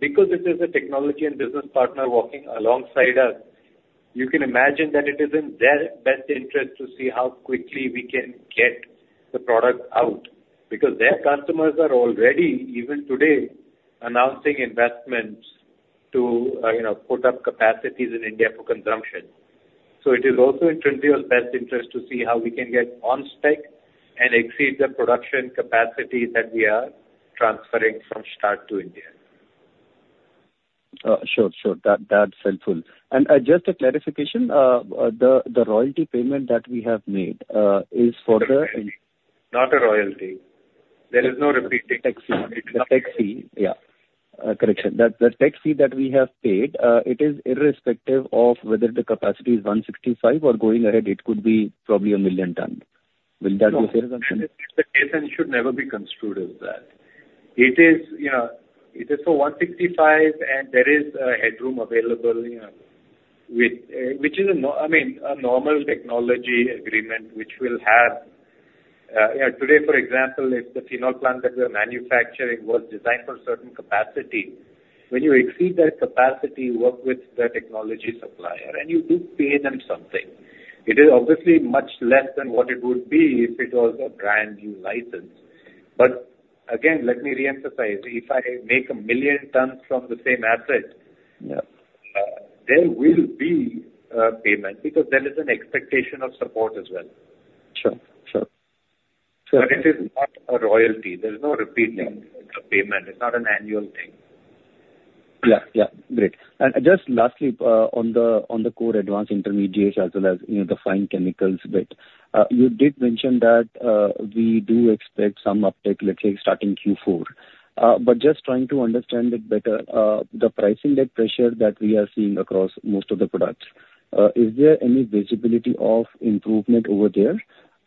Speaker 1: Because it is a technology and business partner walking alongside us, you can imagine that it is in their best interest to see how quickly we can get the product out because their customers are already, even today, announcing investments to put up capacities in India for consumption. It is also in Trinseo's best interest to see how we can get on spec and exceed the production capacity that we are transferring from Stade to India. Sure. Sure. That's helpful. Just a clarification, the royalty payment that we have made is for the. Not a royalty. There is no repeating. The tech fee. Yeah. Correction. The tech fee that we have paid, it is irrespective of whether the capacity is 165 or going ahead, it could be probably a million ton. Will that be fair? It's a case and it should never be construed as that. It is for 165, and there is a headroom available, which is, I mean, a normal technology agreement which will have today, for example, if the phenol plant that we are manufacturing was designed for certain capacity, when you exceed that capacity, you work with the technology supplier, and you do pay them something. It is obviously much less than what it would be if it was a brand new license. But again, let me re-emphasize. If I make a million tons from the same asset, there will be a payment because there is an expectation of support as well. But it is not a royalty. There is no repeat payment. It's not an annual thing.
Speaker 10: Yeah. Yeah. Great.
Speaker 1: Just lastly, on the core advanced intermediate as well as the fine chemicals bit, you did mention that we do expect some uptake, let's say, starting Q4. But just trying to understand it better, the pricing pressure that we are seeing across most of the products, is there any visibility of improvement over there?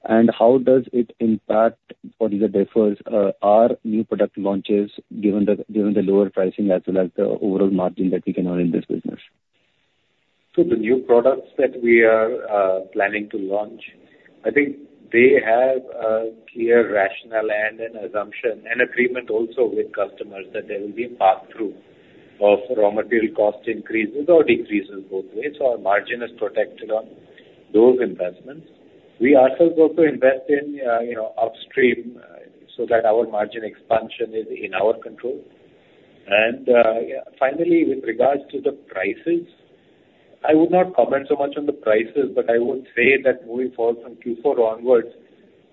Speaker 1: And how does it impact, or how it differs, our new product launches given the lower pricing as well as the overall margin that we can earn in this business? The new products that we are planning to launch, I think they have a clear rationale and an assumption and agreement also with customers that there will be a pass-through of raw material cost increases or decreases both ways or margin is protected on those investments. We ourselves also invest in upstream so that our margin expansion is in our control. And finally, with regards to the prices, I would not comment so much on the prices, but I would say that moving forward from Q4 onwards,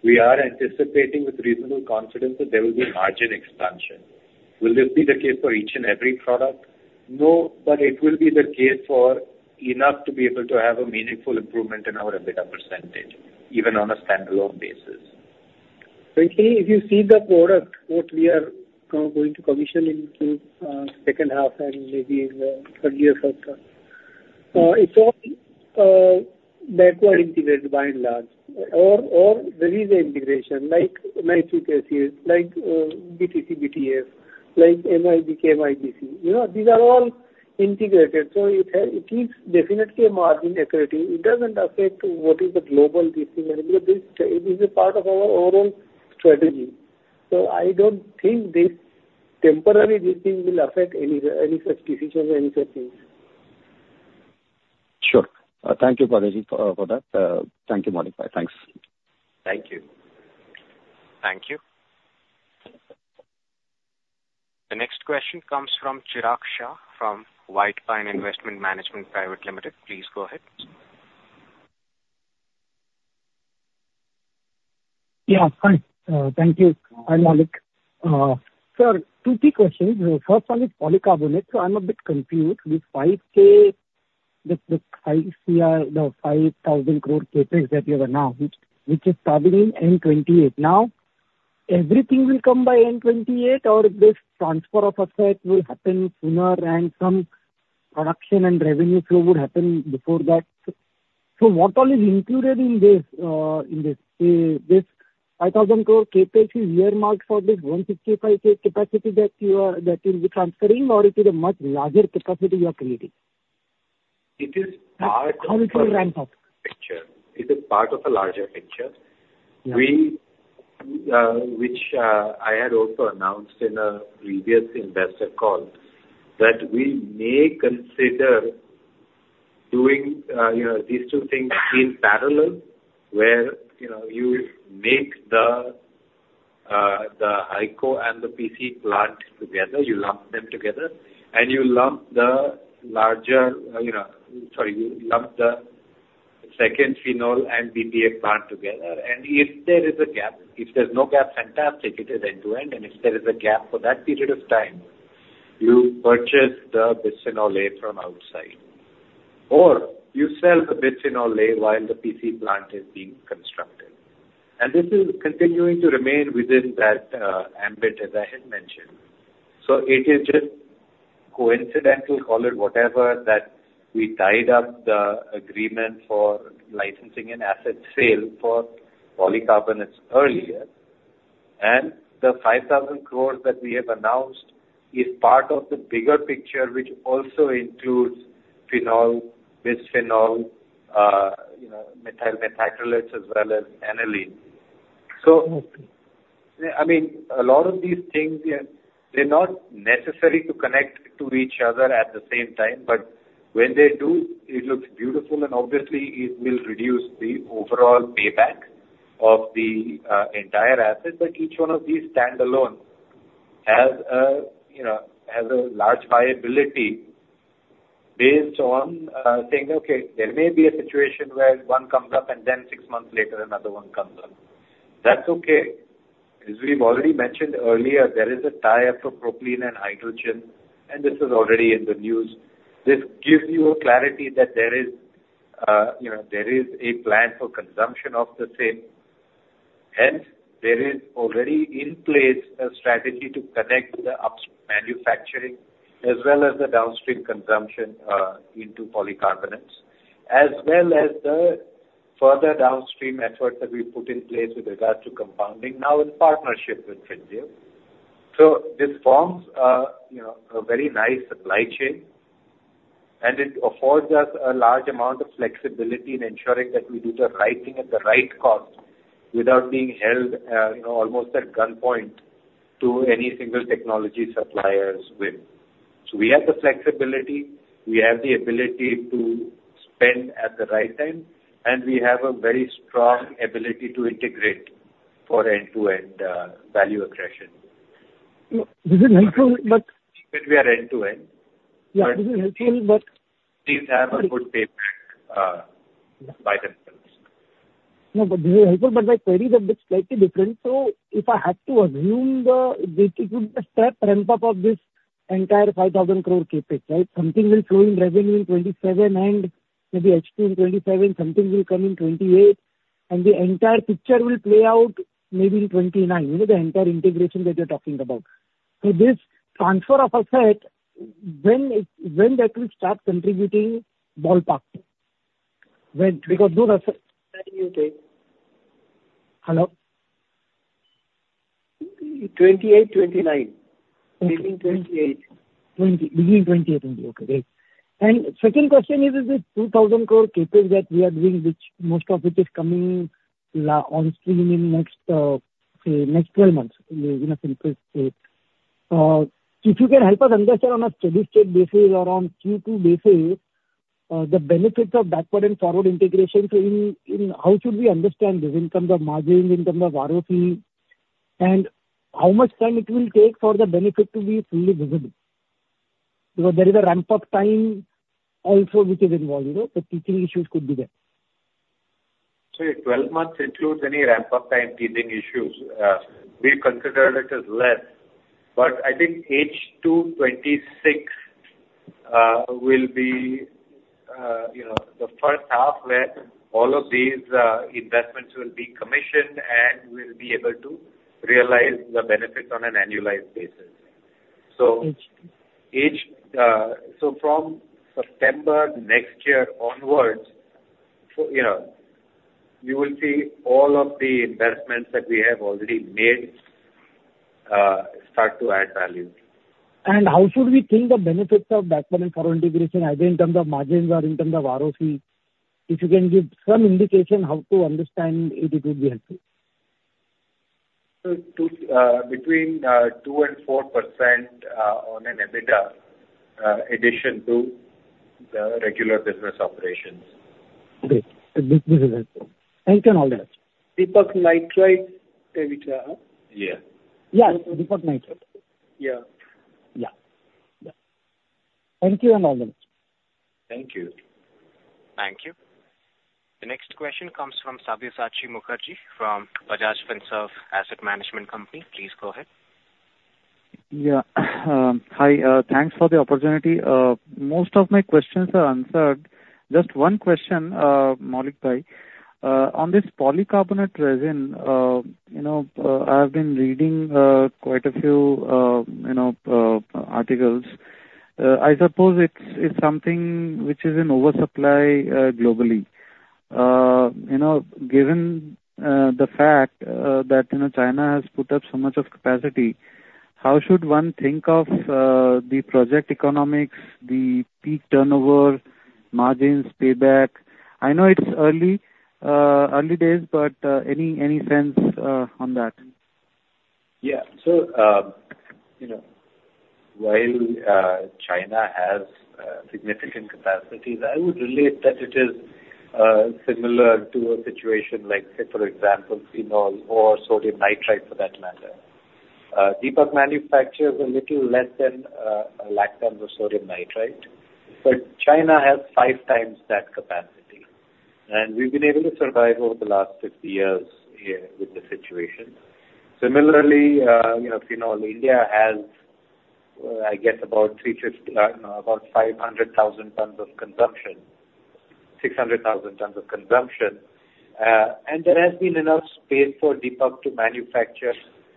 Speaker 1: we are anticipating with reasonable confidence that there will be margin expansion. Will this be the case for each and every product? No, but it will be the case for enough to be able to have a meaningful improvement in our EBITDA percentage, even on a standalone basis. So if you see the product, what we are going to commission into second half and maybe in the third year for sure, it's all backward integrated by and large. Or there is an integration like my two cases, like BTC, BTF, like MIBK, MIBC. These are all integrated. So it keeps definitely a margin equity. It doesn't affect what is the global decision. It is a part of our overall strategy. So I don't think this temporary, this thing will affect any such decision or any such things.
Speaker 10: Sure. Thank you, Mehtaji, for that. Thank you, Maulik Mehta. Thanks. Thank you. Thank you.
Speaker 1: The next question comes from Chirag Shah from White Pine Investment Management Private Limited. Please go ahead.
Speaker 11: Yeah. Hi. Thank you. Hi, Maulik. Sir, two key questions. First one is polycarbonate. So I'm a bit confused with 5K, the 5,000 crore CapEx that you have announced, which is starting in FY28. Now, everything will come by FY28, or this transfer of assets will happen sooner, and some production and revenue flow would happen before that. So what all is included in this 5,000 crore CapEx is earmarked for this 165K capacity that you will be transferring, or is it a much larger capacity you are creating?
Speaker 1: It is part of the larger picture. It is part of a larger picture, which I had also announced in a previous investor call that we may consider doing these two things in parallel where you make the BPA and the PC plant together. You lump them together, and you lump the larger, sorry, you lump the second phenol and BPA plant together, and if there is a gap, if there's no gap, fantastic. It is end-to-end, and if there is a gap for that period of time, you purchase the bisphenol A from outside, or you sell the bisphenol A while the PC plant is being constructed. And this is continuing to remain within that ambit, as I had mentioned, so it is just coincidental, call it whatever, that we tied up the agreement for licensing and asset sale for polycarbonates earlier. The 5,000 crores that we have announced is part of the bigger picture, which also includes phenol, bisphenol, methyl methacrylates, as well as aniline. So I mean, a lot of these things, they're not necessary to connect to each other at the same time. But when they do, it looks beautiful. And obviously, it will reduce the overall payback of the entire asset. But each one of these standalone has a large viability based on saying, "Okay, there may be a situation where one comes up and then six months later, another one comes up." That's okay. As we've already mentioned earlier, there is a tie up for propane and hydrogen, and this is already in the news. This gives you clarity that there is a plan for consumption of the same. Hence, there is already in place a strategy to connect the upstream manufacturing as well as the downstream consumption into polycarbonates, as well as the further downstream efforts that we've put in place with regards to compounding now in partnership with Trinseo. So this forms a very nice supply chain, and it affords us a large amount of flexibility in ensuring that we do the right thing at the right cost without being held almost at gunpoint to any single technology suppliers with. So we have the flexibility. We have the ability to spend at the right time, and we have a very strong ability to integrate for end-to-end value creation.
Speaker 11: Does that help, but? We are end-to-end. Yeah. Does that help, but? These have a good payback by themselves. No, but this is helpful, but my queries are a bit slightly different.
Speaker 1: So if I have to assume that it would be a step ramp up of this entire 5,000 crore CapEx, right? Something will flow in revenue in 2027, and maybe H2 2027, something will come in 2028, and the entire picture will play out maybe in 2029, the entire integration that you're talking about. So this transfer of asset, when that will start contributing ballpark? Because those assets. Hello? 2028, 2029. Beginning 2028. Beginning 2028, okay.
Speaker 11: Great. And second question is, is it 2,000 crore CapEx that we are doing, which most of it is coming on stream in the next 12 months in a simple state? If you can help us understand on a steady-state basis or on Q2 basis, the benefits of backward and forward integration, how should we understand this in terms of margin, in terms of ROC, and how much time it will take for the benefit to be fully visible? Because there is a ramp-up time also which is involved. The teething issues could be there. So 12 months includes any ramp-up time teething issues. We consider it as less. But I think H2 2026 will be the first half where all of these investments will be commissioned and will be able to realize the benefits on an annualized basis. So from September next year onwards, you will see all of the investments that we have already made start to add value.
Speaker 12: How should we think about the benefits of backward and forward integration, either in terms of margins or in terms of ROCE? If you can give some indication how to understand it, it would be helpful. Between 2% and 4% on an EBITDA addition to the regular business operations.
Speaker 11: Okay. This is helpful. Thank you and all the best. Deepak Nitrite, which? Yeah. Yeah. Deepak Nitrite. Yeah. Yeah. Thank you and all the best. Thank you.
Speaker 2: Thank you. The next question comes from Sabyasachi Mukherjee from Bajaj Finserv Asset Management Company. Please go ahead.
Speaker 13: Yeah. Hi. Thanks for the opportunity. Most of my questions are answered. Just one question, Maulik Mehta. On this polycarbonate resin, I have been reading quite a few articles. I suppose it's something which is in oversupply globally. Given the fact that China has put up so much capacity, how should one think of the project economics, the peak turnover, margins, payback? I know it's early days, but any sense on that?
Speaker 1: Yeah. So while China has significant capacity, I would relate that it is similar to a situation like, say, for example, phenol or sodium nitrite for that matter. Deepak manufactures a little less than a lakh tons of sodium nitrite, but China has five times that capacity. And we've been able to survive over the last 50 years with the situation. Similarly, phenol, India has, I guess, about 500,000 tons of consumption, 600,000 tons of consumption. And there has been enough space for Deepak to manufacture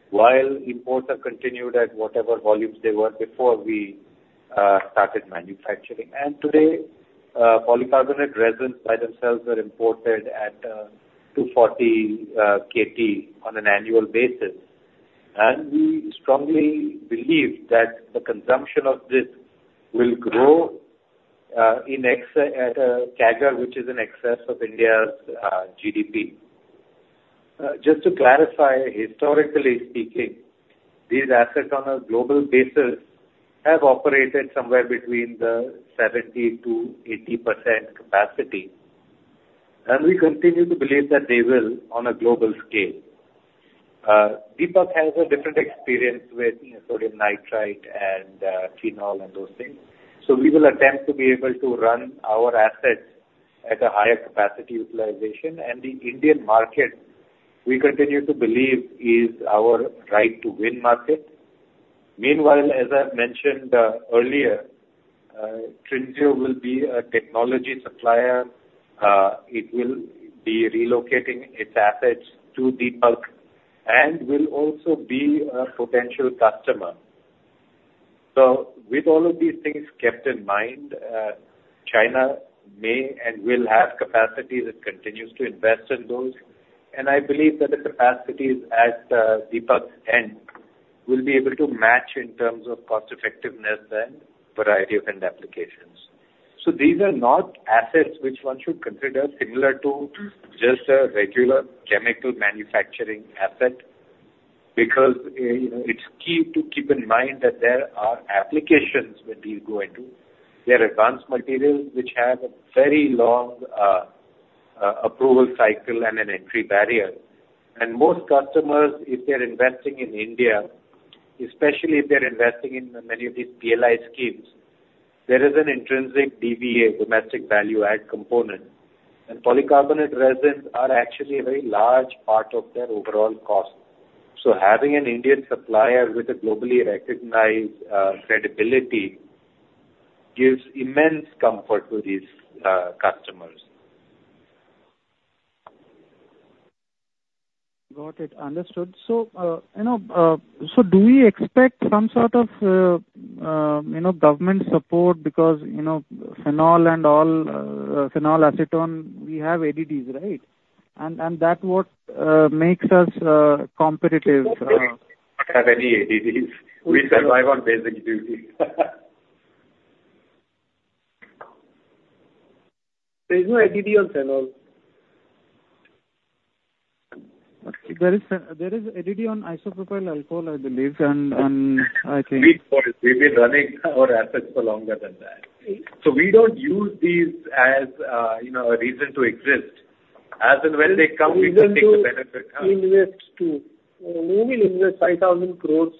Speaker 1: while imports have continued at whatever volumes they were before we started manufacturing. And today, polycarbonate resins by themselves are imported at 240 KT on an annual basis. We strongly believe that the consumption of this will grow at a CAGR, which is in excess of India's GDP. Just to clarify, historically speaking, these assets on a global basis have operated somewhere between 70%-80% capacity. We continue to believe that they will on a global scale. Deepak has a different experience with sodium nitrite and phenol and those things. We will attempt to be able to run our assets at a higher capacity utilization. The Indian market, we continue to believe, is our right to win market. Meanwhile, as I mentioned earlier, Trinseo will be a technology supplier. It will be relocating its assets to Deepak and will also be a potential customer. With all of these things kept in mind, China may and will have capacity that continues to invest in those. I believe that the capacities at Deepak's end will be able to match in terms of cost-effectiveness and variety of end applications. These are not assets which one should consider similar to just a regular chemical manufacturing asset because it's key to keep in mind that there are applications where these go into. They are advanced materials which have a very long approval cycle and an entry barrier. Most customers, if they're investing in India, especially if they're investing in many of these PLI schemes, there is an intrinsic DVA, domestic value-add component. Polycarbonate resins are actually a very large part of their overall cost. Having an Indian supplier with a globally recognized credibility gives immense comfort to these customers.
Speaker 13: Got it. Understood. Do we expect some sort of government support because phenol and all phenol acetone, we have ADDs, right?
Speaker 1: And that's what makes us competitive. We don't have any ADDs. We survive on basic duties. There is no ADD on phenol. There is ADD on isopropyl alcohol, I believe, and I think. We've been running our assets for longer than that. So we don't use these as a reason to exist. As and when they come, we will take the benefit. We will invest too. We will invest 5,000 crores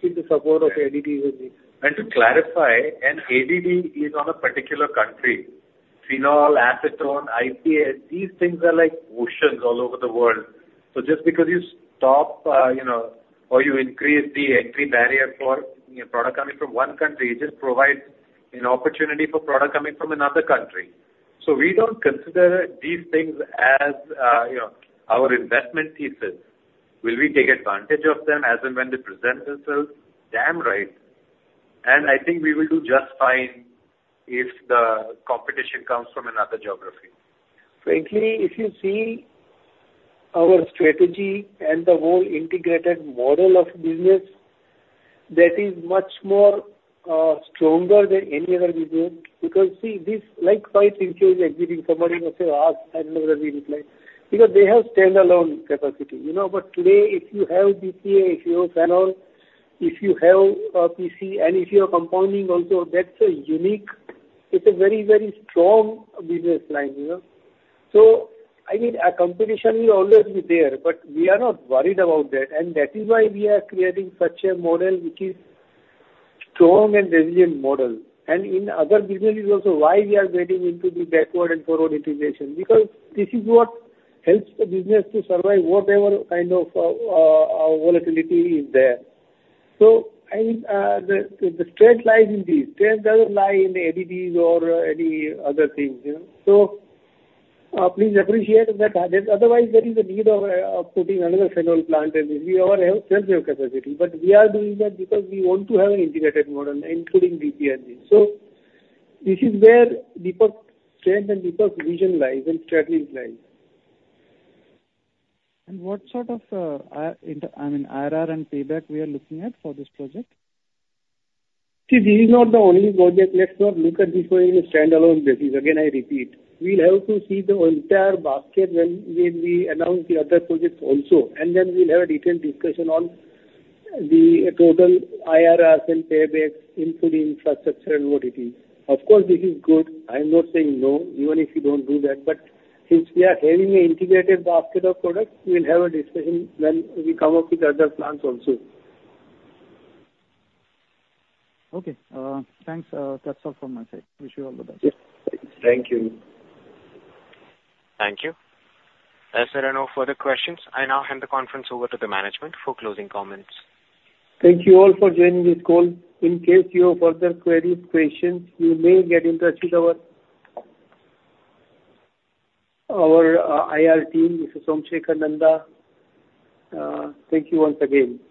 Speaker 1: to support of ADDs and these. And to clarify, an ADD is on a particular country. Phenol, acetone, IPA, these things are like oceans all over the world. So just because you stop or you increase the entry barrier for product coming from one country, it just provides an opportunity for product coming from another country. So we don't consider these things as our investment pieces. Will we take advantage of them as and when they present themselves? Damn right. And I think we will do just fine if the competition comes from another geography. Frankly, if you see our strategy and the whole integrated model of business, that is much more stronger than any other business. Because see, like Teijin exiting, somebody must have asked, I don't know whether we replied. Because they have standalone capacity. But today, if you have BPA, if you have phenol, if you have PC, and if you are compounding also, that's unique. It's a very, very strong business line. So I mean, a competition will always be there, but we are not worried about that. And that is why we are creating such a model which is strong and resilient model. And in other businesses also, why we are getting into the backward and forward integration? Because this is what helps the business to survive whatever kind of volatility is there. So I mean, the strength lies in these. Strength doesn't lie in the ADDs or any other things. So please appreciate that. Otherwise, there is a need of putting another phenol plant if we have our own capacity. But we are doing that because we want to have an integrated model, including DPNG. So this is where Deepak's strength and Deepak's vision lies and strategies lies. And what sort of, I mean, IRR and payback we are looking at for this project? See, this is not the only project. Let's not look at this way in a standalone basis. Again, I repeat, we'll have to see the entire basket when we announce the other projects also. And then we'll have a detailed discussion on the total IRRs and paybacks, including infrastructure and what it is. Of course, this is good. I'm not saying no, even if you don't do that. But since we are having an integrated basket of products, we'll have a discussion when we come up with other plans also. Okay.
Speaker 13: Thanks. That's all from my side. Wish you all the best.
Speaker 1: Thank you.
Speaker 2: Thank you. As there are no further questions, I now hand the conference over to the management for closing comments. Thank you all for joining this call. In case you have further queries, questions, you may get in touch with our IR team, Mr. Somsekhar Nanda. Thank you once again.